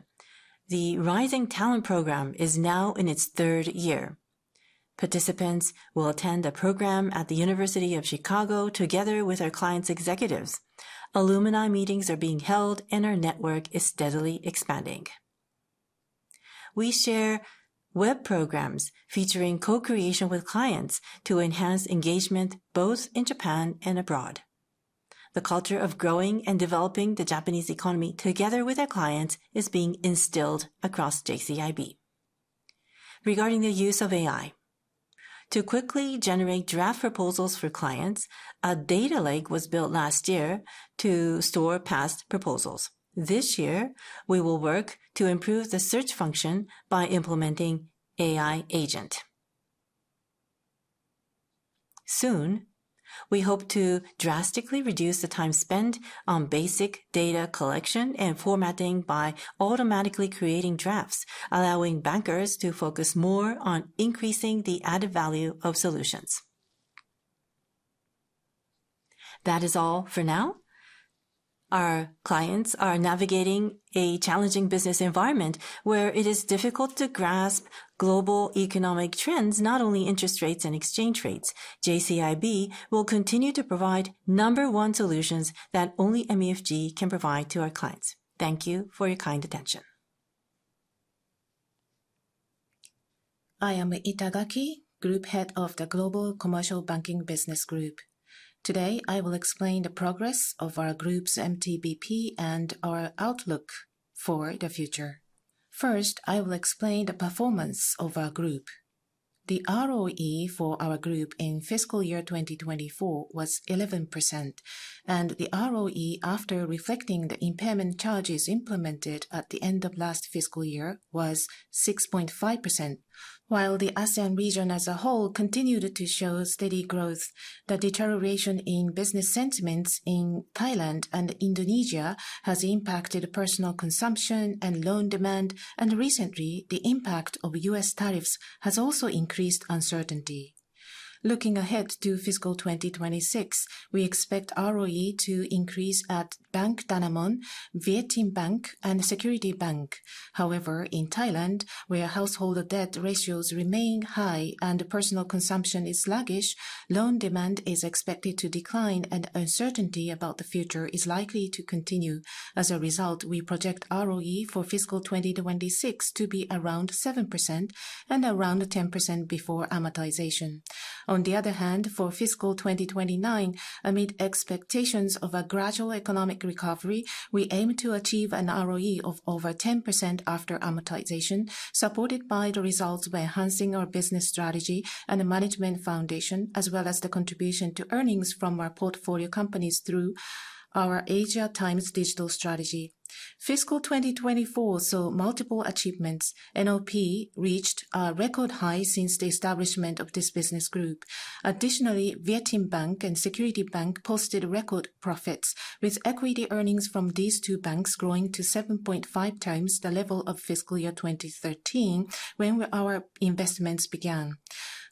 the Rising Talent Program is now in its third year. Participants will attend the program at the University of Chicago together with our clients' executives. Alumni meetings are being held, and our network is steadily expanding. We share web programs featuring co-creation with clients to enhance engagement both in Japan and abroad. The culture of growing and developing the Japanese economy together with our clients is being instilled across JCIB. Regarding the use of AI. To quickly generate draft proposals for clients, a data lake was built last year to store past proposals. This year, we will work to improve the search function by implementing AI agent. Soon, we hope to drastically reduce the time spent on basic data collection and formatting by automatically creating drafts, allowing bankers to focus more on increasing the added value of solutions. That is all for now. Our clients are navigating a challenging business environment where it is difficult to grasp global economic trends, not only interest rates and exchange rates. JCIB will continue to provide number one solutions that only MUFG can provide to our clients. Thank you for your kind attention. I am Itagaki, Group Head of the Global Commercial Banking Business Group. Today, I will explain the progress of our group's MTBP and our outlook for the future. First, I will explain the performance of our group. The ROE for our group in fiscal year 2024 was 11%, and the ROE after reflecting the impairment charges implemented at the end of last fiscal year was 6.5%, while the ASEAN region as a whole continued to show steady growth. The deterioration in business sentiments in Thailand and Indonesia has impacted personal consumption and loan demand, and recently, the impact of U.S. tariffs has also increased uncertainty. Looking ahead to fiscal 2026, we expect ROE to increase at Bank Danamon, VietinBank, and Security Bank. However, in Thailand, where household debt ratios remain high and personal consumption is sluggish, loan demand is expected to decline, and uncertainty about the future is likely to continue. As a result, we project ROE for fiscal 2026 to be around 7% and around 10% before amortization. On the other hand, for fiscal 2029, amid expectations of a gradual economic recovery, we aim to achieve an ROE of over 10% after amortization, supported by the results by enhancing our business strategy and the management foundation, as well as the contribution to earnings from our portfolio companies through our Asia Times Digital strategy. Fiscal 2024 saw multiple achievements. NOP reached a record high since the establishment of this business group. Additionally, VietinBank and Security Bank posted record profits, with equity earnings from these two banks growing to 7.5 times the level of fiscal year 2013 when our investments began.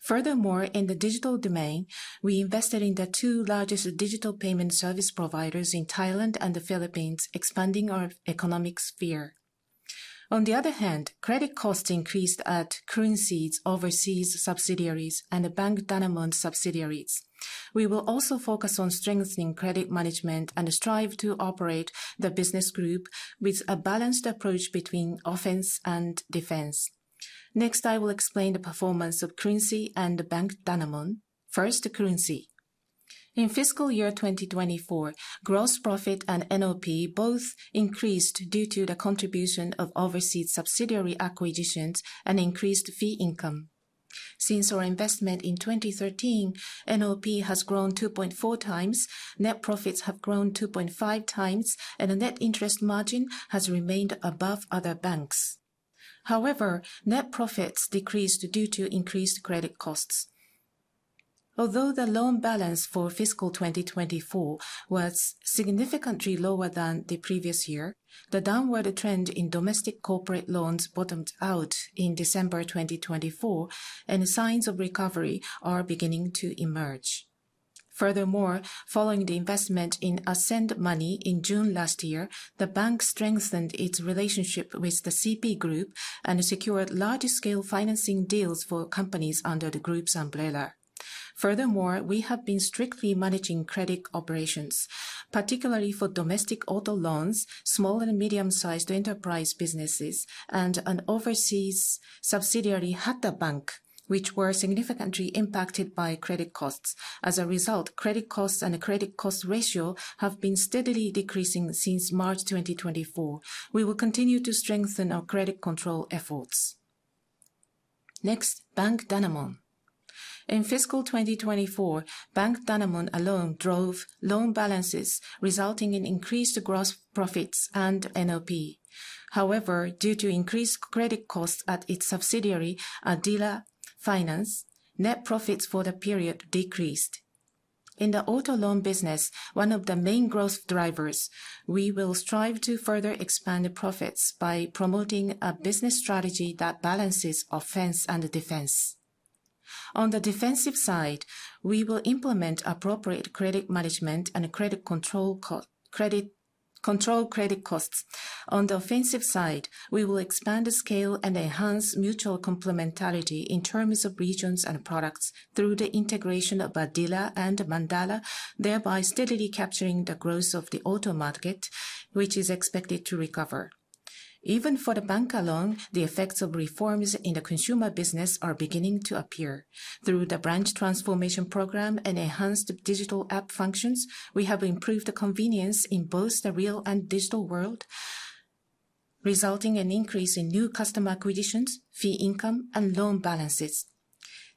Furthermore, in the digital domain, we invested in the two largest digital payment service providers in Thailand and the Philippines, expanding our economic sphere. On the other hand, credit costs increased at Currency's overseas subsidiaries and Bank Danamon's subsidiaries. We will also focus on strengthening credit management and strive to operate the business group with a balanced approach between offense and defense. Next, I will explain the performance of Currency and Bank Danamon. First, Currency. In fiscal year 2024, gross profit and NOP both increased due to the contribution of overseas subsidiary acquisitions and increased fee income. Since our investment in 2013, NOP has grown 2.4 times, net profits have grown 2.5 times, and the net interest margin has remained above other banks. However, net profits decreased due to increased credit costs. Although the loan balance for fiscal 2024 was significantly lower than the previous year, the downward trend in domestic corporate loans bottomed out in December 2024, and signs of recovery are beginning to emerge. Furthermore, following the investment in Ascend Money in June last year, the bank strengthened its relationship with the CP Group and secured large-scale financing deals for companies under the group's umbrella. Furthermore, we have been strictly managing credit operations, particularly for domestic auto loans, small and medium-sized enterprise businesses, and an overseas subsidiary, Hattha Bank, which were significantly impacted by credit costs. As a result, credit costs and the credit cost ratio have been steadily decreasing since March 2024. We will continue to strengthen our credit control efforts. Next, Bank Danamon. In fiscal 2024, Bank Danamon alone drove loan balances, resulting in increased gross profits and NOP. However, due to increased credit costs at its subsidiary, Adila Finance, net profits for the period decreased. In the auto loan business, one of the main growth drivers, we will strive to further expand the profits by promoting a business strategy that balances offense and defense. On the defensive side, we will implement appropriate credit management and credit control. Credit costs. On the offensive side, we will expand the scale and enhance mutual complementarity in terms of regions and products through the integration of Adila and Mandala, thereby steadily capturing the growth of the auto market, which is expected to recover. Even for the bank alone, the effects of reforms in the consumer business are beginning to appear. Through the branch transformation program and enhanced digital app functions, we have improved convenience in both the real and digital world, resulting in an increase in new customer acquisitions, fee income, and loan balances.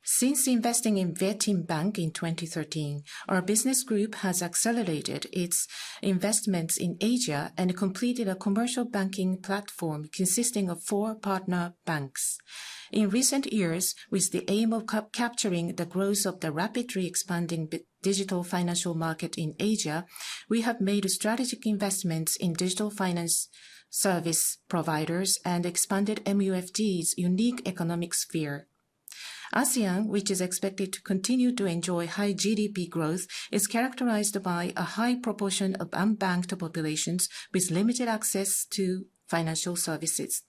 Since investing in VietinBank in 2013, our business group has accelerated its investments in Asia and completed a commercial banking platform consisting of four partner banks. In recent years, with the aim of capturing the growth of the rapidly expanding digital financial market in Asia, we have made strategic investments in digital finance service providers and expanded MUFG's unique economic sphere. ASEAN, which is expected to continue to enjoy high GDP growth, is characterized by a high proportion of unbanked populations with limited access to financial services.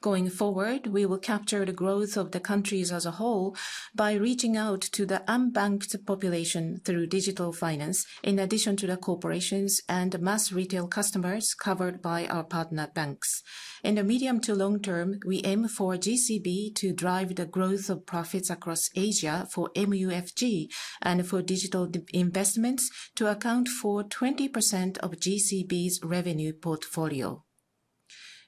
Going forward, we will capture the growth of the countries as a whole by reaching out to the unbanked population through digital finance, in addition to the corporations and mass retail customers covered by our partner banks. In the medium to long term, we aim for GCB to drive the growth of profits across Asia for MUFG and for digital investments to account for 20% of GCB's revenue portfolio.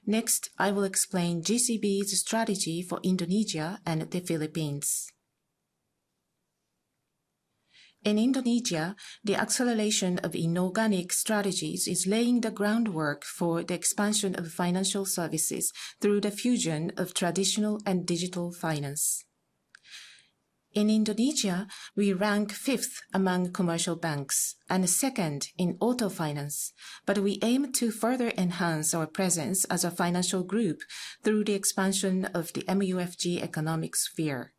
Next, I will explain GCB's strategy for Indonesia and the Philippines. In Indonesia, the acceleration of inorganic strategies is laying the groundwork for the expansion of financial services through the fusion of traditional and digital finance. In Indonesia, we rank fifth among commercial banks and second in auto finance, but we aim to further enhance our presence as a financial group through the expansion of the MUFG economic sphere.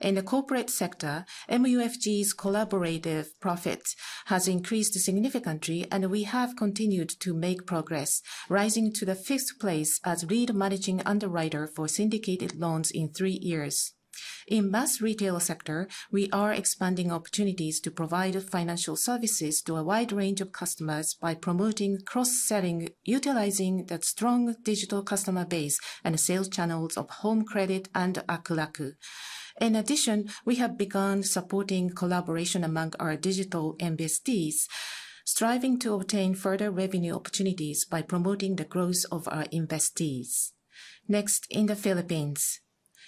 In the corporate sector, MUFG's collaborative profits have increased significantly, and we have continued to make progress, rising to the fifth place as lead managing underwriter for syndicated loans in three years. In the mass retail sector, we are expanding opportunities to provide financial services to a wide range of customers by promoting cross-selling, utilizing the strong digital customer base and sales channels of Home Credit and Akulaku. In addition, we have begun supporting collaboration among our digital investees, striving to obtain further revenue opportunities by promoting the growth of our investees. Next, in the Philippines.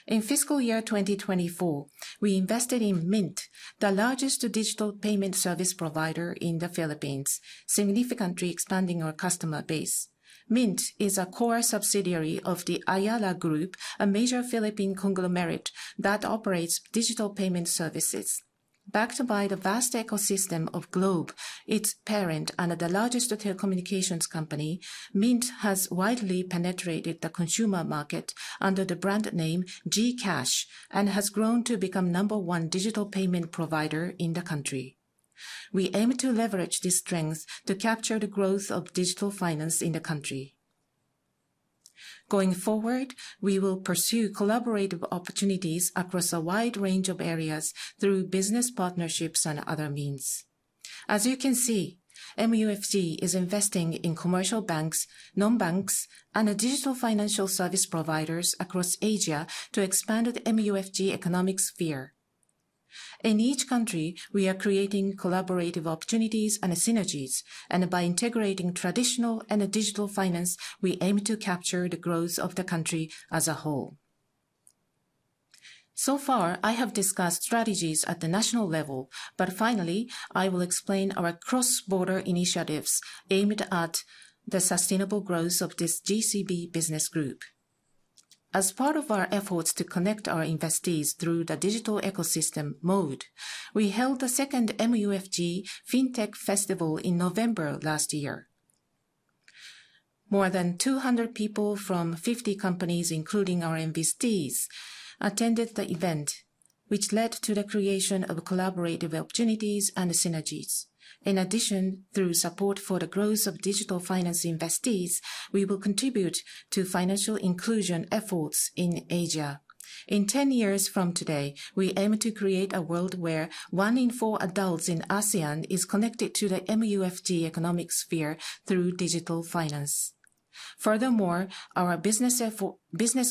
In fiscal year 2024, we invested in Mint, the largest digital payment service provider in the Philippines, significantly expanding our customer base. Mint is a core subsidiary of the Ayala Group, a major Philippine conglomerate that operates digital payment services. Backed by the vast ecosystem of Globe, its parent and the largest telecommunications company, Mint has widely penetrated the consumer market under the brand name GCash and has grown to become number one digital payment provider in the country. We aim to leverage this strength to capture the growth of digital finance in the country. Going forward, we will pursue collaborative opportunities across a wide range of areas through business partnerships and other means. As you can see, MUFG is investing in commercial banks, non-banks, and digital financial service providers across Asia to expand the MUFG economic sphere. In each country, we are creating collaborative opportunities and synergies, and by integrating traditional and digital finance, we aim to capture the growth of the country as a whole. So far, I have discussed strategies at the national level, but finally, I will explain our cross-border initiatives aimed at the sustainable growth of this GCB business group. As part of our efforts to connect our investees through the digital ecosystem mode, we held the second MUFG FinTech Festival in November last year. More than 200 people from 50 companies, including our investees, attended the event, which led to the creation of collaborative opportunities and synergies. In addition, through support for the growth of digital finance investees, we will contribute to financial inclusion efforts in Asia. In 10 years from today, we aim to create a world where one in four adults in ASEAN is connected to the MUFG economic sphere through digital finance. Furthermore, our business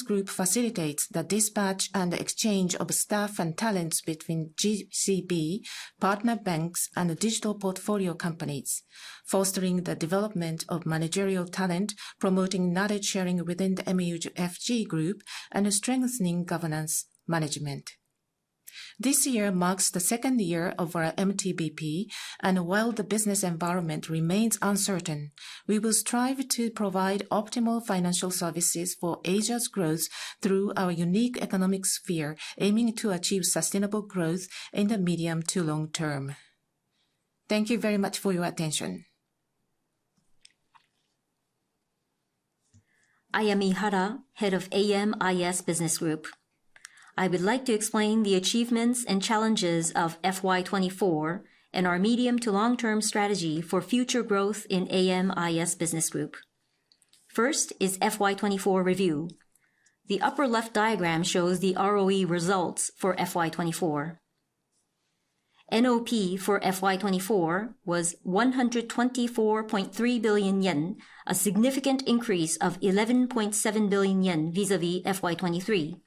group facilitates the dispatch and exchange of staff and talents between GCB, partner banks, and digital portfolio companies, fostering the development of managerial talent, promoting knowledge sharing within the MUFG group, and strengthening governance management. This year marks the second year of our MTBP, and while the business environment remains uncertain, we will strive to provide optimal financial services for Asia's growth through our unique economic sphere, aiming to achieve sustainable growth in the medium to long term. Thank you very much for your attention. I am Ihara, head of AMIS Business Group. I would like to explain the achievements and challenges of FY24 and our medium to long-term strategy for future growth in AMIS Business Group. First is FY24 review. The upper left diagram shows the ROE results for FY24. NOP for FY2024 was 124.3 billion yen, a significant increase of 11.7 billion yen vis-à-vis FY2023.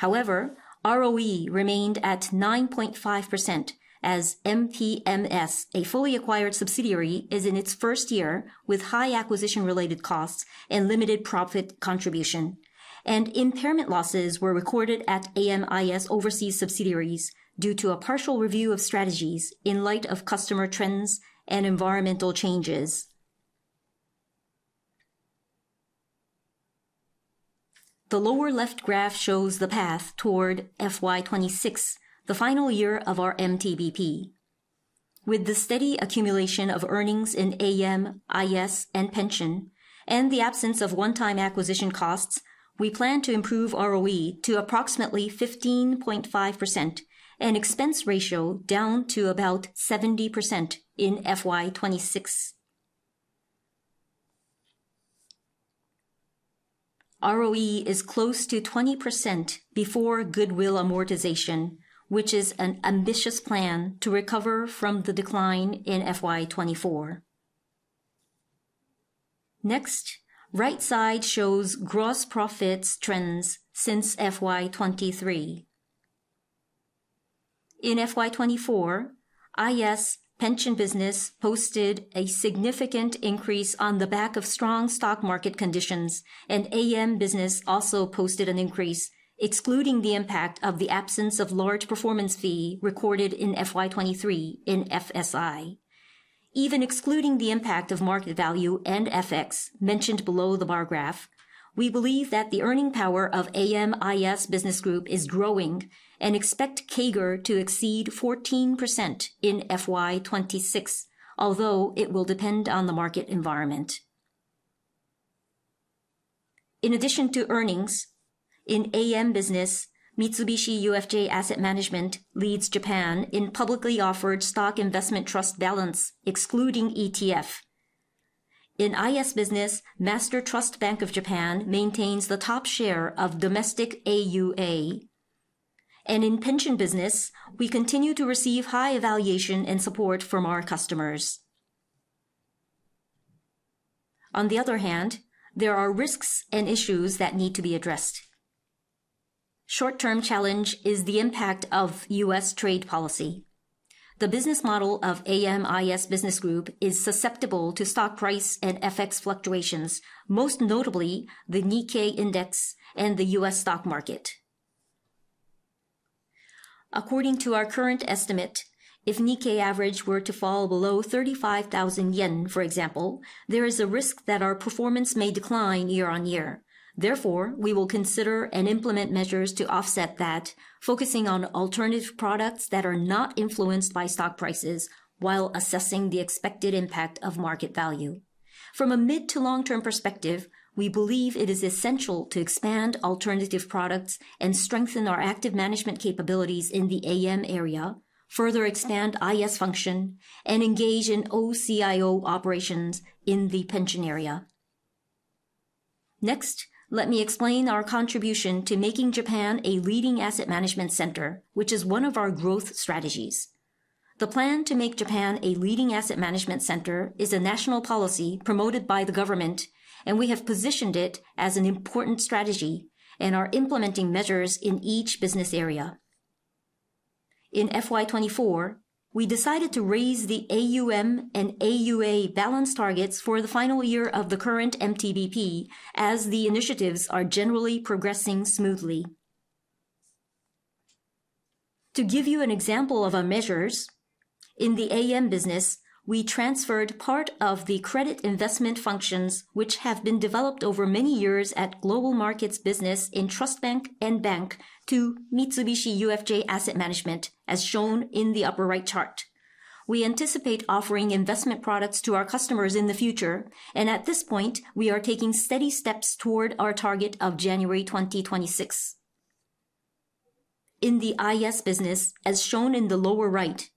However, ROE remained at 9.5% as MPMS, a fully acquired subsidiary, is in its first year with high acquisition-related costs and limited profit contribution, and impairment losses were recorded at AMIS overseas subsidiaries due to a partial review of strategies in light of customer trends and environmental changes. The lower left graph shows the path toward FY2026, the final year of our MTBP. With the steady accumulation of earnings in AMIS and pension, and the absence of one-time acquisition costs, we plan to improve ROE to approximately 15.5% and expense ratio down to about 70% in FY2026. ROE is close to 20% before goodwill amortization, which is an ambitious plan to recover from the decline in FY2024. Next, right side shows gross profits trends since FY2023. In FY2024, IS Pension Business posted a significant increase on the back of strong stock market conditions, and AM Business also posted an increase, excluding the impact of the absence of large performance fee recorded in FY2023 in FSI. Even excluding the impact of market value and FX mentioned below the bar graph, we believe that the earning power of AMIS Business Group is growing and expect CAGR to exceed 14% in FY2026, although it will depend on the market environment. In addition to earnings, in AM Business, Mitsubishi UFJ Asset Management leads Japan in publicly offered stock investment trust balance, excluding ETF. In IS Business, Master Trust Bank of Japan maintains the top share of domestic AUA. In Pension Business, we continue to receive high evaluation and support from our customers. On the other hand, there are risks and issues that need to be addressed. Short-term challenge is the impact of U.S. trade policy. The business model of AMIS Business Group is susceptible to stock price and FX fluctuations, most notably the Nikkei index and the U.S. stock market. According to our current estimate, if Nikkei average were to fall below 35,000 yen, for example, there is a risk that our performance may decline year on year. Therefore, we will consider and implement measures to offset that, focusing on alternative products that are not influenced by stock prices while assessing the expected impact of market value. From a mid to long-term perspective, we believe it is essential to expand alternative products and strengthen our active management capabilities in the AM area, further expand IS function, and engage in OCIO operations in the pension area. Next, let me explain our contribution to making Japan a leading asset management center, which is one of our growth strategies. The plan to make Japan a leading asset management center is a national policy promoted by the government, and we have positioned it as an important strategy and are implementing measures in each business area. In FY2024, we decided to raise the AUM and AUA balance targets for the final year of the current MTBP as the initiatives are generally progressing smoothly. To give you an example of our measures, in the AM Business, we transferred part of the credit investment functions, which have been developed over many years at Global Markets Business in Trust Bank and Bank, to Mitsubishi UFJ Asset Management, as shown in the upper right chart. We anticipate offering investment products to our customers in the future, and at this point, we are taking steady steps toward our target of January 2026. In the IS Business, as shown in the lower right,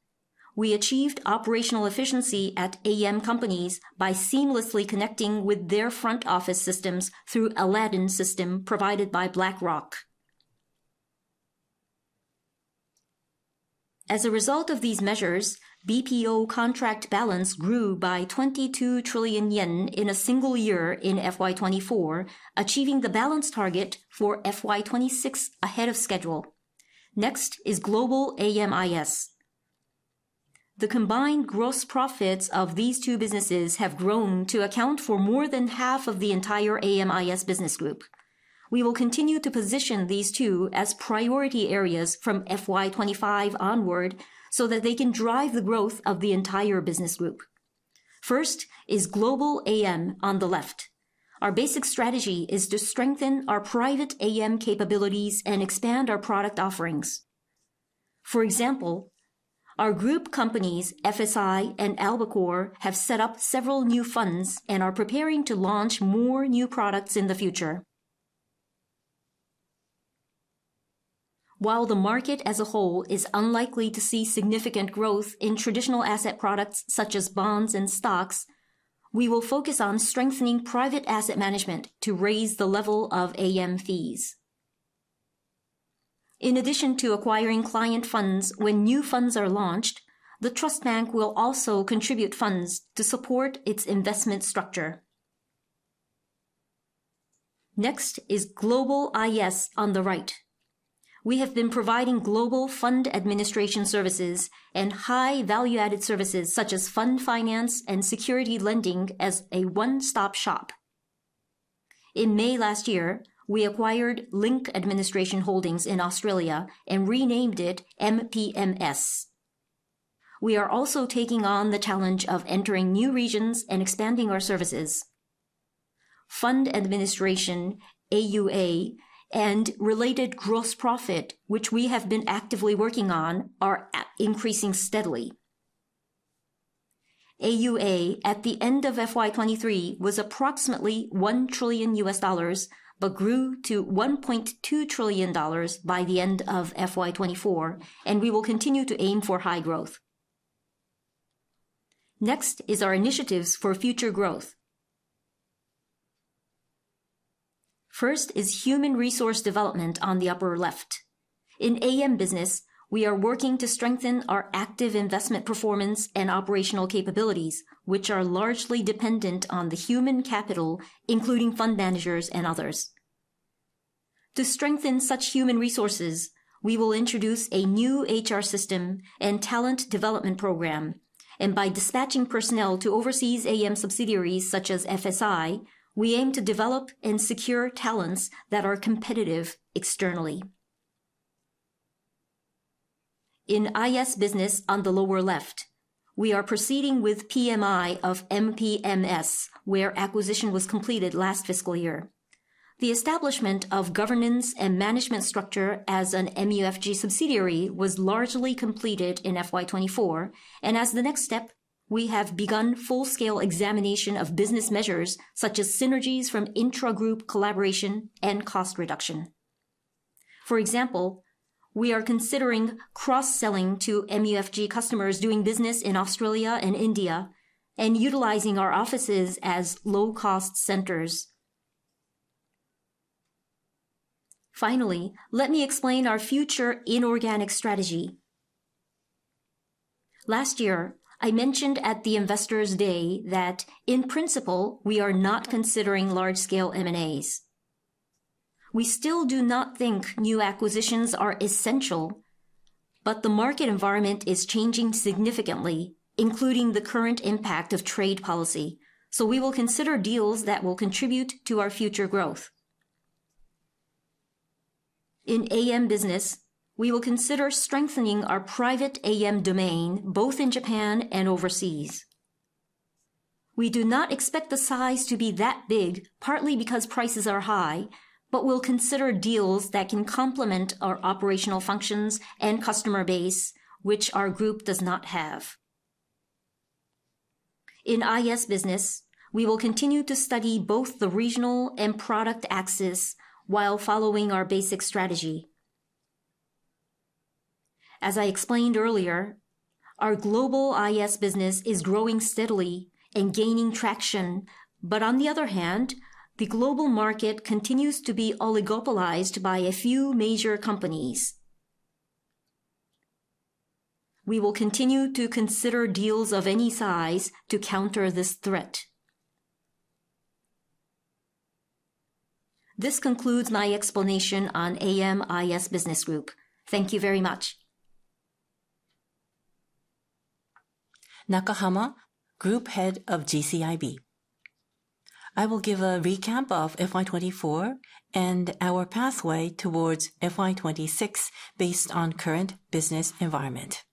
we achieved operational efficiency at AM companies by seamlessly connecting with their front office systems through Aladdin system provided by BlackRock. As a result of these measures, BPO contract balance grew by 22 trillion yen in a single year in FY2024, achieving the balance target for FY2026 ahead of schedule. Next is Global AMIS. The combined gross profits of these two businesses have grown to account for more than half of the entire AMIS Business Group. We will continue to position these two as priority areas from FY2025 onward so that they can drive the growth of the entire business group. First is Global AM on the left. Our basic strategy is to strengthen our private AM capabilities and expand our product offerings. For example, our group companies, FSI and Albacore, have set up several new funds and are preparing to launch more new products in the future. While the market as a whole is unlikely to see significant growth in traditional asset products such as bonds and stocks, we will focus on strengthening private asset management to raise the level of AM fees. In addition to acquiring client funds when new funds are launched, the Trust Bank will also contribute funds to support its investment structure. Next is Global IS on the right. We have been providing global fund administration services and high value-added services such as fund finance and security lending as a one-stop shop. In May last year, we acquired Link Administration Holdings in Australia and renamed it MPMS. We are also taking on the challenge of entering new regions and expanding our services. Fund administration, AUA, and related gross profit, which we have been actively working on, are increasing steadily. AUA at the end of FY2023 was approximately $1 trillion but grew to $1.2 trillion by the end of FY2024, and we will continue to aim for high growth. Next is our initiatives for future growth. First is Human Resource Development on the upper left. In AM Business, we are working to strengthen our active investment performance and operational capabilities, which are largely dependent on the human capital, including fund managers and others. To strengthen such human resources, we will introduce a new HR system and talent development program, and by dispatching personnel to overseas AM subsidiaries such as FSI, we aim to develop and secure talents that are competitive externally. In IS Business on the lower left, we are proceeding with PMI of MPMS, where acquisition was completed last fiscal year. The establishment of governance and management structure as an MUFG subsidiary was largely completed in 2024, and as the next step, we have begun full-scale examination of business measures such as synergies from intra-group collaboration and cost reduction. For example, we are considering cross-selling to MUFG customers doing business in Australia and India and utilizing our offices as low-cost centers. Finally, let me explain our future inorganic strategy. Last year, I mentioned at the Investors' Day that, in principle, we are not considering large-scale M&As. We still do not think new acquisitions are essential. The market environment is changing significantly, including the current impact of trade policy, so we will consider deals that will contribute to our future growth. In AM Business, we will consider strengthening our private AM domain both in Japan and overseas. We do not expect the size to be that big, partly because prices are high, but we'll consider deals that can complement our operational functions and customer base, which our group does not have. In IS Business, we will continue to study both the regional and product axis while following our basic strategy. As I explained earlier, our global IS business is growing steadily and gaining traction, but on the other hand, the global market continues to be oligopolized by a few major companies. We will continue to consider deals of any size to counter this threat. This concludes my explanation on AMIS Business Group. Thank you very much. Nakahama, Group Head of GCIB. I will give a recap of 2024 and our pathway towards 2026 based on current business environment.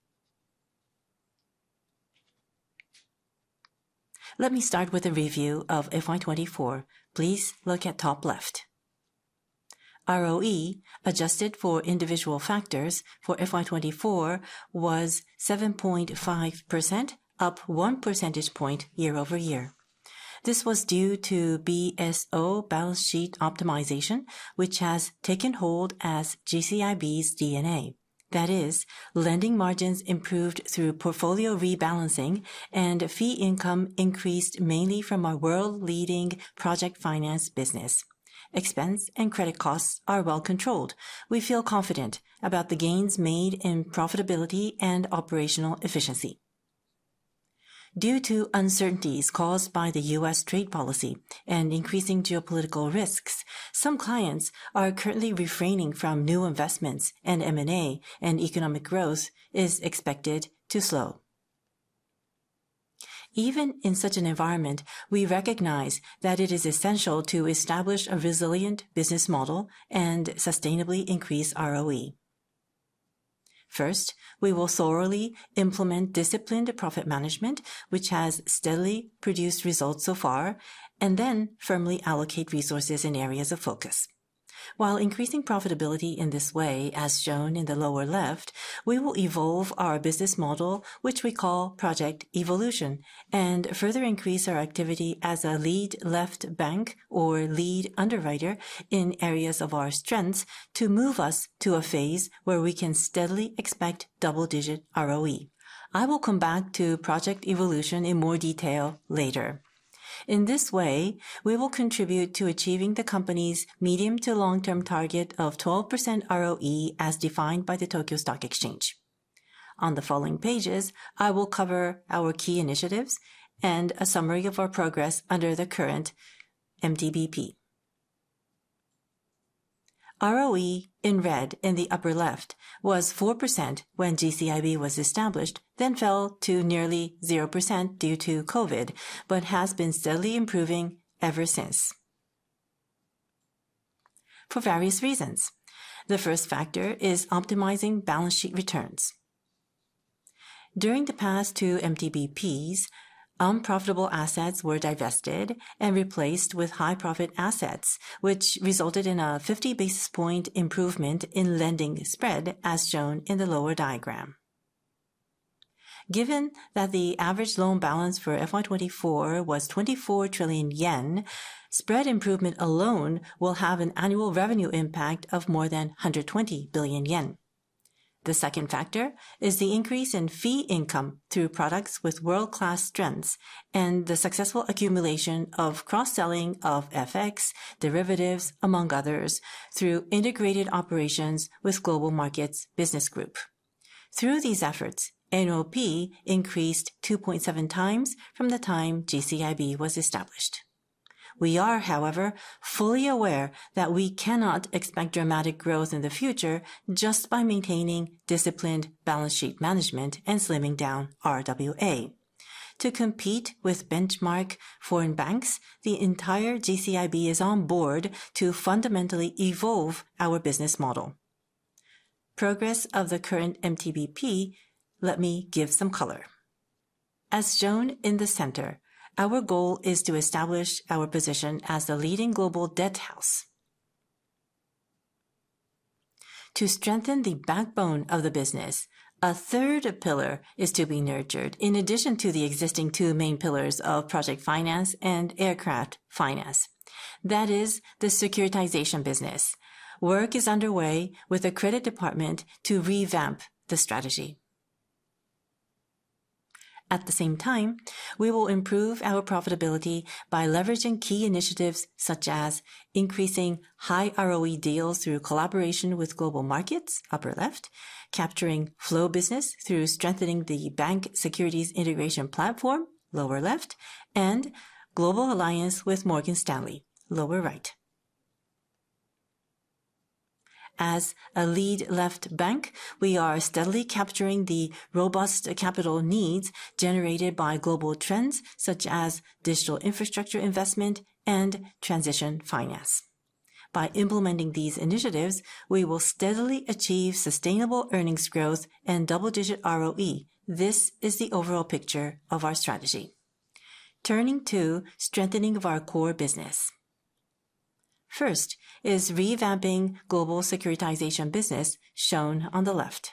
Let me start with a review of 2024. Please look at top left. ROE, adjusted for individual factors, for 2024 was 7.5%, up 1 percentage point year over year. This was due to BSO balance sheet optimization, which has taken hold as GCIB's DNA. That is, lending margins improved through portfolio rebalancing, and fee income increased mainly from our world-leading project finance business. Expense and credit costs are well controlled. We feel confident about the gains made in profitability and operational efficiency. Due to uncertainties caused by the U.S. trade policy and increasing geopolitical risks, some clients are currently refraining from new investments, and M&A and economic growth is expected to slow. Even in such an environment, we recognize that it is essential to establish a resilient business model and sustainably increase ROE. First, we will thoroughly implement disciplined profit management, which has steadily produced results so far, and then firmly allocate resources in areas of focus. While increasing profitability in this way, as shown in the lower left, we will evolve our business model, which we call project evolution, and further increase our activity as a lead left bank or lead underwriter in areas of our strengths to move us to a phase where we can steadily expect double-digit ROE. I will come back to project evolution in more detail later. In this way, we will contribute to achieving the company's medium to long-term target of 12% ROE as defined by the Tokyo Stock Exchange. On the following pages, I will cover our key initiatives and a summary of our progress under the current MTBP. ROE, in red in the upper left, was 4% when GCIB was established, then fell to nearly 0% due to COVID, but has been steadily improving ever since. For various reasons. The first factor is optimizing balance sheet returns. During the past two MTBPs, unprofitable assets were divested and replaced with high-profit assets, which resulted in a 50 basis point improvement in lending spread, as shown in the lower diagram. Given that the average loan balance for FY2024 was 24 trillion yen, spread improvement alone will have an annual revenue impact of more than 120 billion yen. The second factor is the increase in fee income through products with world-class strengths and the successful accumulation of cross-selling of FX derivatives, among others, through integrated operations with Global Markets Business Group. Through these efforts, NOP increased 2.7 times from the time GCIB was established. We are, however, fully aware that we cannot expect dramatic growth in the future just by maintaining disciplined balance sheet management and slimming down RWA. To compete with benchmark foreign banks, the entire GCIB is on board to fundamentally evolve our business model. Progress of the current MTBP, let me give some color. As shown in the center, our goal is to establish our position as the leading global debt house. To strengthen the backbone of the business. A third pillar is to be nurtured in addition to the existing two main pillars of project finance and aircraft finance. That is, the securitization business. Work is underway with the credit department to revamp the strategy. At the same time, we will improve our profitability by leveraging key initiatives such as increasing high ROE deals through collaboration with global markets, upper left, capturing flow business through strengthening the bank securities integration platform, lower left, and global alliance with Morgan Stanley, lower right. As a lead left bank, we are steadily capturing the robust capital needs generated by global trends such as digital infrastructure investment and transition finance. By implementing these initiatives, we will steadily achieve sustainable earnings growth and double-digit ROE. This is the overall picture of our strategy. Turning to strengthening of our core business. First is revamping global securitization business, shown on the left.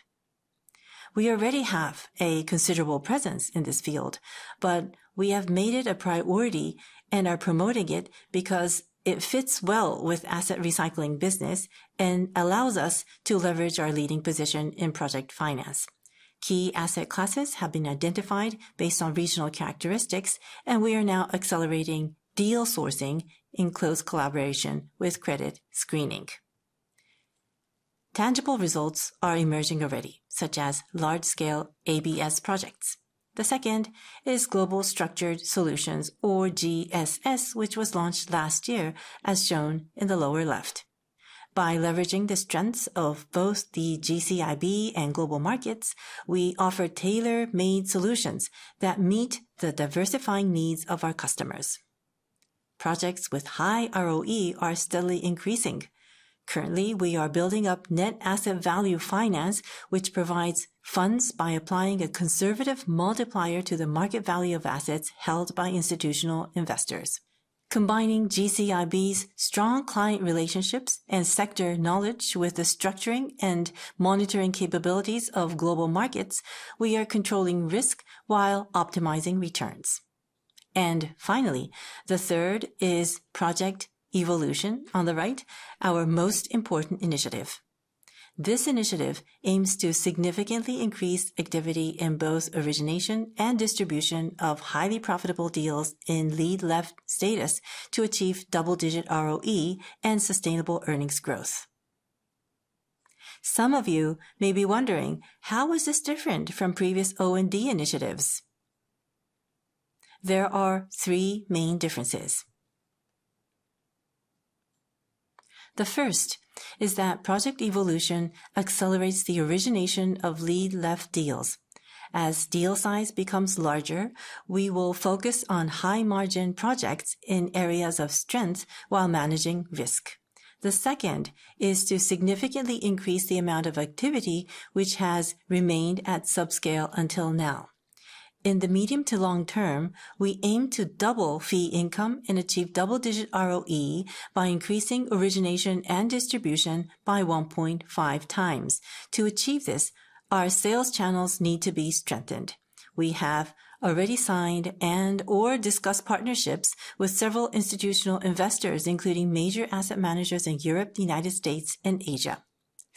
We already have a considerable presence in this field, but we have made it a priority and are promoting it because it fits well with asset recycling business and allows us to leverage our leading position in project finance. Key asset classes have been identified based on regional characteristics, and we are now accelerating deal sourcing in close collaboration with credit screening. Tangible results are emerging already, such as large-scale ABS projects. The second is global structured solutions, or GSS, which was launched last year, as shown in the lower left. By leveraging the strengths of both the GCIB and global markets, we offer tailor-made solutions that meet the diversifying needs of our customers. Projects with high ROE are steadily increasing. Currently, we are building up net asset value finance, which provides funds by applying a conservative multiplier to the market value of assets held by institutional investors. Combining GCIB's strong client relationships and sector knowledge with the structuring and monitoring capabilities of global markets, we are controlling risk while optimizing returns. Finally, the third is project evolution, on the right, our most important initiative. This initiative aims to significantly increase activity in both origination and distribution of highly profitable deals in lead left status to achieve double-digit ROE and sustainable earnings growth. Some of you may be wondering, how is this different from previous O&D initiatives? There are three main differences. The first is that project evolution accelerates the origination of lead left deals. As deal size becomes larger, we will focus on high-margin projects in areas of strength while managing risk. The second is to significantly increase the amount of activity which has remained at subscale until now. In the medium to long term, we aim to double fee income and achieve double-digit ROE by increasing origination and distribution by 1.5 times. To achieve this, our sales channels need to be strengthened. We have already signed and/or discussed partnerships with several institutional investors, including major asset managers in Europe, the United States, and Asia.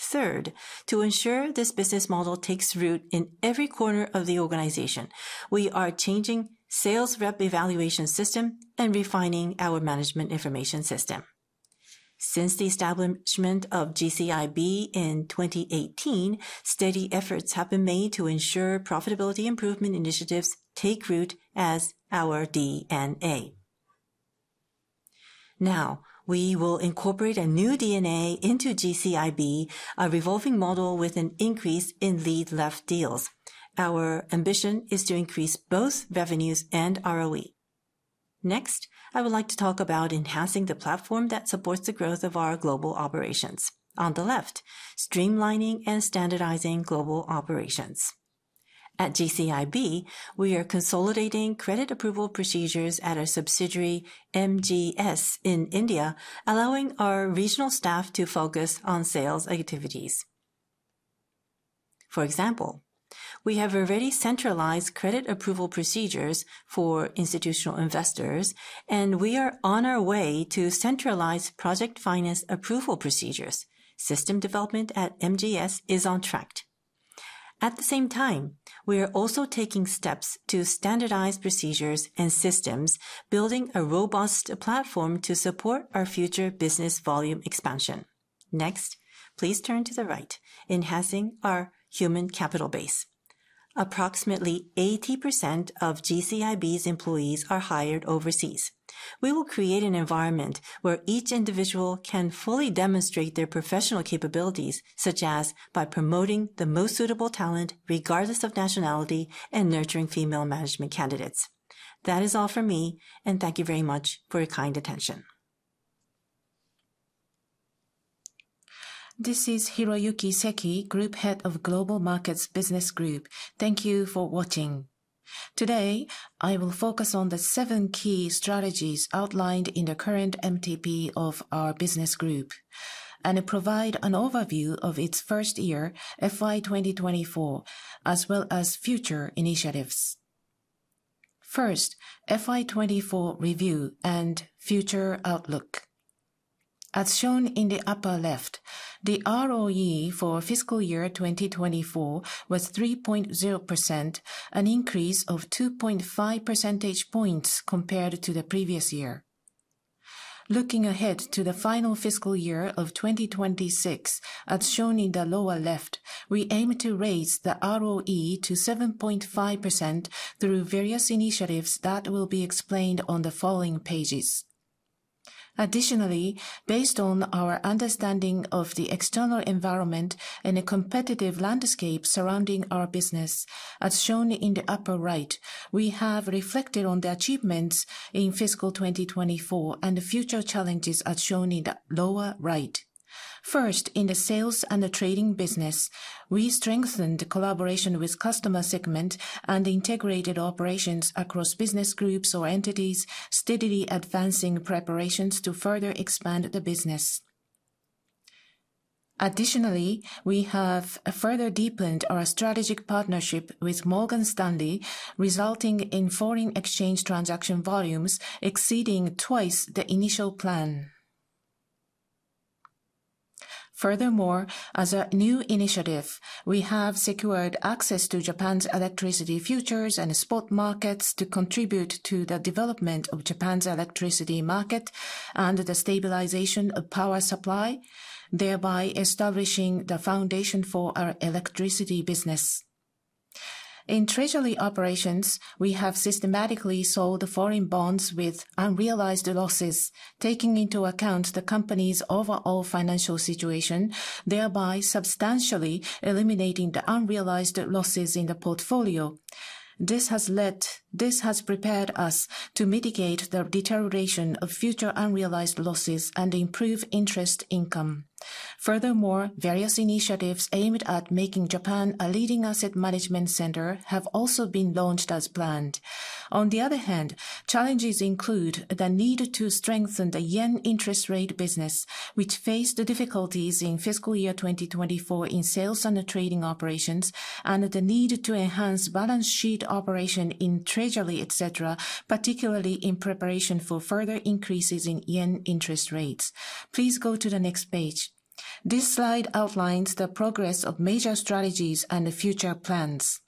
Third, to ensure this business model takes root in every corner of the organization, we are changing sales rep evaluation system and refining our management information system. Since the establishment of GCIB in 2018, steady efforts have been made to ensure profitability improvement initiatives take root as our DNA. Now, we will incorporate a new DNA into GCIB, a revolving model with an increase in lead left deals. Our ambition is to increase both revenues and ROE. Next, I would like to talk about enhancing the platform that supports the growth of our global operations. On the left, streamlining and standardizing global operations. At GCIB, we are consolidating credit approval procedures at our subsidiary MGS in India, allowing our regional staff to focus on sales activities. For example, we have already centralized credit approval procedures for institutional investors, and we are on our way to centralize project finance approval procedures. System development at MGS is on track. At the same time, we are also taking steps to standardize procedures and systems, building a robust platform to support our future business volume expansion. Next, please turn to the right, enhancing our human capital base. Approximately 80% of GCIB's employees are hired overseas. We will create an environment where each individual can fully demonstrate their professional capabilities, such as by promoting the most suitable talent, regardless of nationality, and nurturing female management candidates. That is all for me, and thank you very much for your kind attention. This is Hiroyuki Seki, Group Head of Global Markets Business Group. Thank you for watching. Today, I will focus on the seven key strategies outlined in the current MTB of our business group. I will provide an overview of its first year, FY2024, as well as future initiatives. First, FY24 review and future outlook. As shown in the upper left, the ROE for fiscal year 2024 was 3.0%, an increase of 2.5 percentage points compared to the previous year. Looking ahead to the final fiscal year of 2026, as shown in the lower left, we aim to raise the ROE to 7.5% through various initiatives that will be explained on the following pages. Additionally, based on our understanding of the external environment and the competitive landscape surrounding our business, as shown in the upper right, we have reflected on the achievements in fiscal 2024 and the future challenges as shown in the lower right. First, in the sales and the trading business, we strengthened collaboration with the customer segment and integrated operations across business groups or entities, steadily advancing preparations to further expand the business. Additionally, we have further deepened our strategic partnership with Morgan Stanley, resulting in foreign exchange transaction volumes exceeding twice the initial plan. Furthermore, as a new initiative, we have secured access to Japan's electricity futures and spot markets to contribute to the development of Japan's electricity market and the stabilization of power supply, thereby establishing the foundation for our electricity business. In treasury operations, we have systematically sold foreign bonds with unrealized losses, taking into account the company's overall financial situation, thereby substantially eliminating the unrealized losses in the portfolio. This has prepared us to mitigate the deterioration of future unrealized losses and improve interest income. Furthermore, various initiatives aimed at making Japan a leading asset management center have also been launched as planned. On the other hand, challenges include the need to strengthen the yen interest rate business, which faced difficulties in fiscal year 2024 in sales and trading operations, and the need to enhance balance sheet operation in treasury, particularly in preparation for further increases in yen interest rates. Please go to the next page. This slide outlines the progress of major strategies and future plans.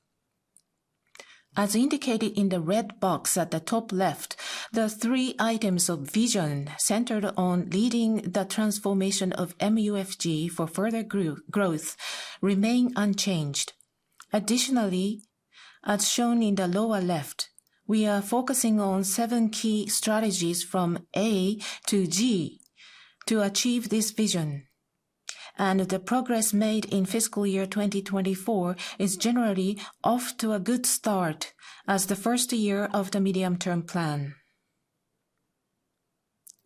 As indicated in the red box at the top left, the three items of vision centered on leading the transformation of MUFG for further growth remain unchanged. Additionally, as shown in the lower left, we are focusing on seven key strategies from A-G to achieve this vision. The progress made in fiscal year 2024 is generally off to a good start as the first year of the medium-term plan.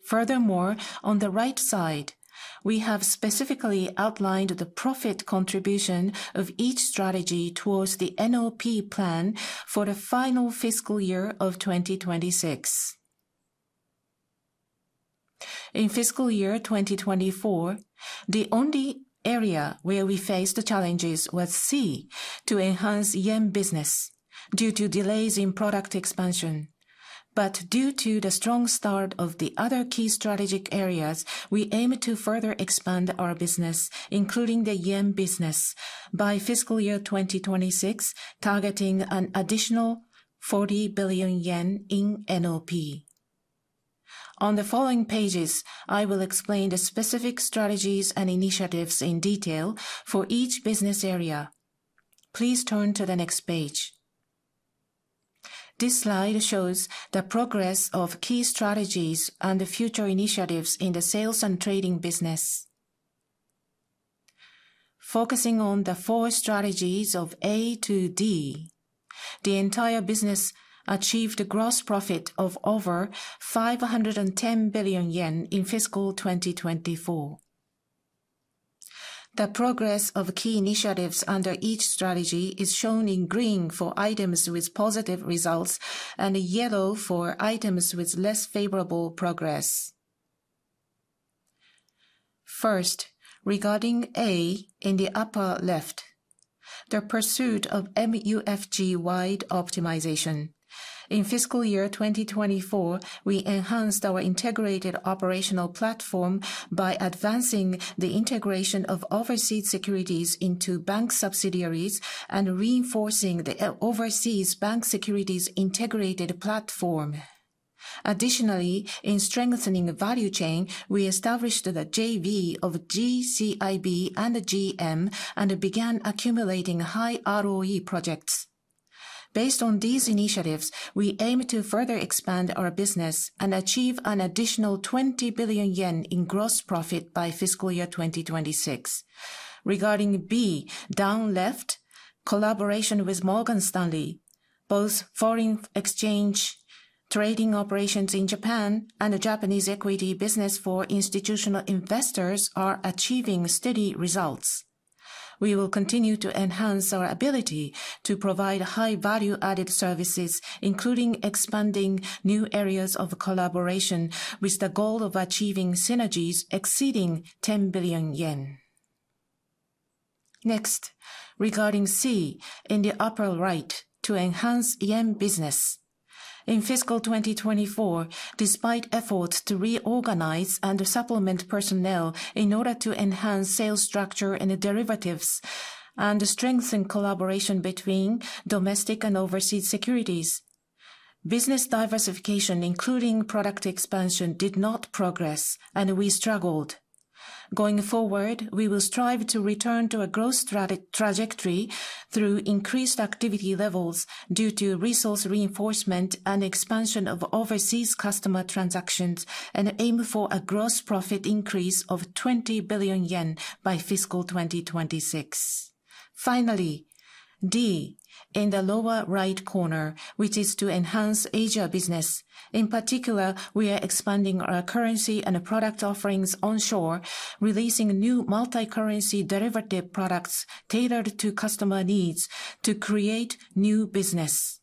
Furthermore, on the right side, we have specifically outlined the profit contribution of each strategy towards the NOP plan for the final fiscal year of 2026. In fiscal year 2024, the only area where we faced challenges was C, to enhance yen business, due to delays in product expansion. Due to the strong start of the other key strategic areas, we aim to further expand our business, including the yen business, by fiscal year 2026, targeting an additional 40 billion yen in NOP. On the following pages, I will explain the specific strategies and initiatives in detail for each business area. Please turn to the next page. This slide shows the progress of key strategies and the future initiatives in the sales and trading business, focusing on the four strategies of A-D. The entire business achieved a gross profit of over 510 billion yen in fiscal 2024. The progress of key initiatives under each strategy is shown in green for items with positive results and yellow for items with less favorable progress. First, regarding A in the upper left, the pursuit of MUFG-wide optimization. In fiscal year 2024, we enhanced our integrated operational platform by advancing the integration of overseas securities into bank subsidiaries and reinforcing the overseas bank securities integrated platform. Additionally, in strengthening the value chain, we established the JV of GCIB and GM and began accumulating high ROE projects. Based on these initiatives, we aim to further expand our business and achieve an additional 20 billion yen in gross profit by fiscal year 2026. Regarding B, down left, collaboration with Morgan Stanley, both foreign exchange trading operations in Japan and the Japanese equity business for institutional investors are achieving steady results. We will continue to enhance our ability to provide high value-added services, including expanding new areas of collaboration with the goal of achieving synergies exceeding 10 billion yen. Next, regarding C, in the upper right, to enhance yen business. In fiscal 2024, despite efforts to reorganize and supplement personnel in order to enhance sales structure and derivatives and strengthen collaboration between domestic and overseas securities, business diversification, including product expansion, did not progress, and we struggled. Going forward, we will strive to return to a growth trajectory through increased activity levels due to resource reinforcement and expansion of overseas customer transactions, and aim for a gross profit increase of 20 billion yen by fiscal 2026. Finally, D, in the lower right corner, which is to enhance Asia business. In particular, we are expanding our currency and product offerings onshore, releasing new multicurrency derivative products tailored to customer needs to create new business.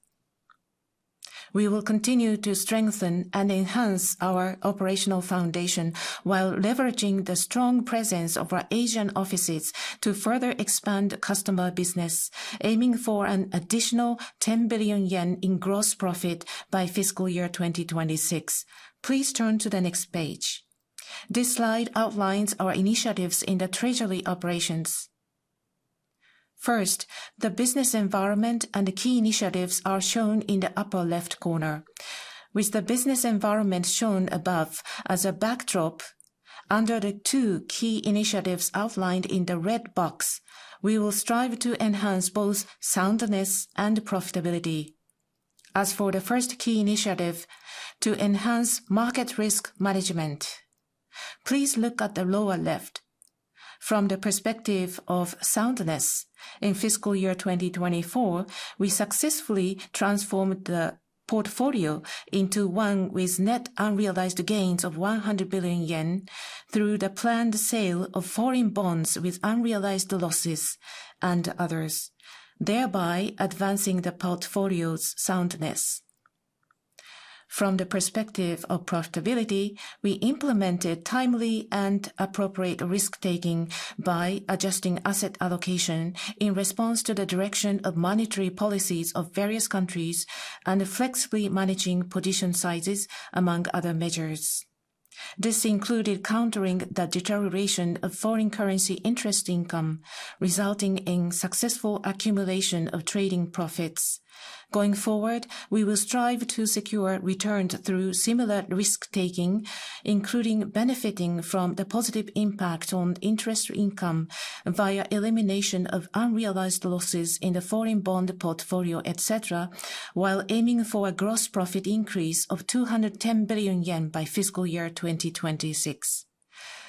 We will continue to strengthen and enhance our operational foundation while leveraging the strong presence of our Asian offices to further expand customer business, aiming for an additional 10 billion yen in gross profit by fiscal year 2026. Please turn to the next page. This slide outlines our initiatives in the treasury operations. First, the business environment and the key initiatives are shown in the upper left corner. With the business environment shown above as a backdrop, under the two key initiatives outlined in the red box, we will strive to enhance both soundness and profitability. As for the first key initiative, to enhance market risk management. Please look at the lower left. From the perspective of soundness, in fiscal year 2024, we successfully transformed the portfolio into one with net unrealized gains of 100 billion yen through the planned sale of foreign bonds with unrealized losses and others, thereby advancing the portfolio's soundness. From the perspective of profitability, we implemented timely and appropriate risk-taking by adjusting asset allocation in response to the direction of monetary policies of various countries and flexibly managing position sizes, among other measures. This included countering the deterioration of foreign currency interest income, resulting in successful accumulation of trading profits. Going forward, we will strive to secure returns through similar risk-taking, including benefiting from the positive impact on interest income via elimination of unrealized losses in the foreign bond portfolio, etc., while aiming for a gross profit increase of 210 billion yen by fiscal year 2026.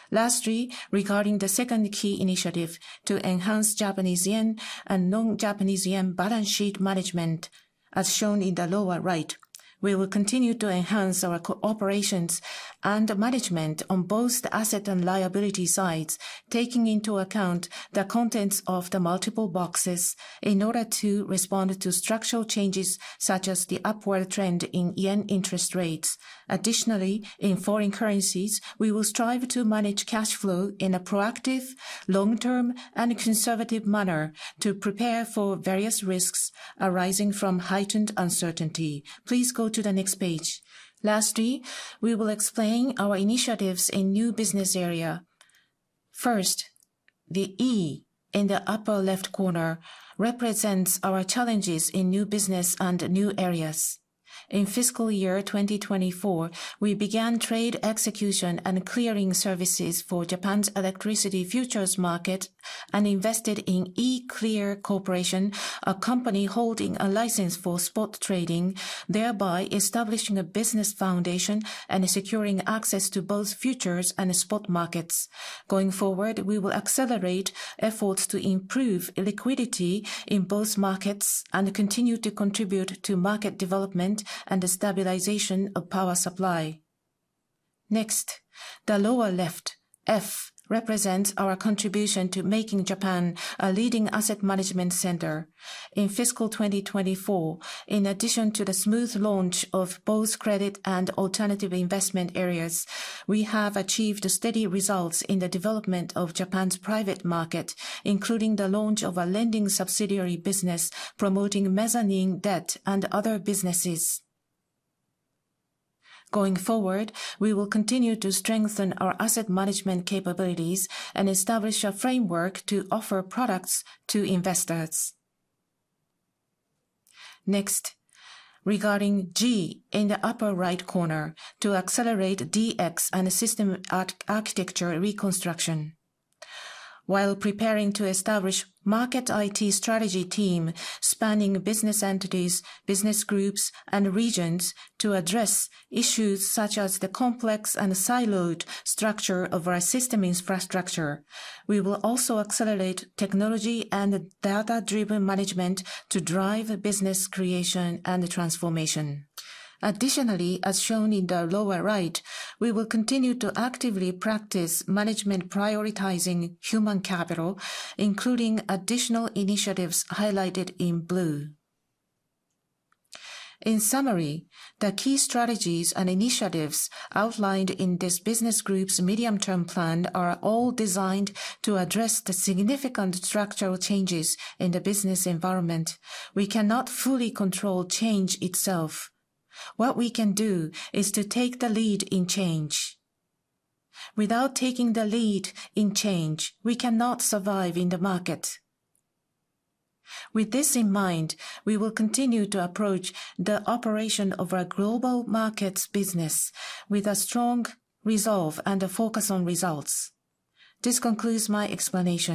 Lastly, regarding the second key initiative, to enhance Japanese yen and non-Japanese yen balance sheet management, as shown in the lower right, we will continue to enhance our operations and management on both the asset and liability sides, taking into account the contents of the multiple boxes in order to respond to structural changes such as the upward trend in yen interest rates. Additionally, in foreign currencies, we will strive to manage cash flow in a proactive, long-term, and conservative manner to prepare for various risks arising from heightened uncertainty. Please go to the next page. Lastly, we will explain our initiatives in new business areas. First, the E in the upper left corner represents our challenges in new business and new areas. In fiscal year 2024, we began trade execution and clearing services for Japan's electricity futures market and invested in E-Clear Corporation, a company holding a license for spot trading, thereby establishing a business foundation and securing access to both futures and spot markets. Going forward, we will accelerate efforts to improve liquidity in both markets and continue to contribute to market development and the stabilization of power supply. Next, the lower left, F, represents our contribution to making Japan a leading asset management center. In fiscal 2024, in addition to the smooth launch of both credit and alternative investment areas, we have achieved steady results in the development of Japan's private market, including the launch of a lending subsidiary business promoting mezzanine debt and other businesses. Going forward, we will continue to strengthen our asset management capabilities and establish a framework to offer products to investors. Next, regarding G in the upper right corner, to accelerate DX and system architecture reconstruction. While preparing to establish a market IT strategy team spanning business entities, business groups, and regions to address issues such as the complex and siloed structure of our system infrastructure, we will also accelerate technology and data-driven management to drive business creation and transformation. Additionally, as shown in the lower right, we will continue to actively practice management prioritizing human capital, including additional initiatives highlighted in blue. In summary, the key strategies and initiatives outlined in this business group's medium-term plan are all designed to address the significant structural changes in the business environment. We cannot fully control change itself. What we can do is to take the lead in change. Without taking the lead in change, we cannot survive in the market. With this in mind, we will continue to approach the operation of our global markets business with a strong resolve and a focus on results. This concludes my explanation.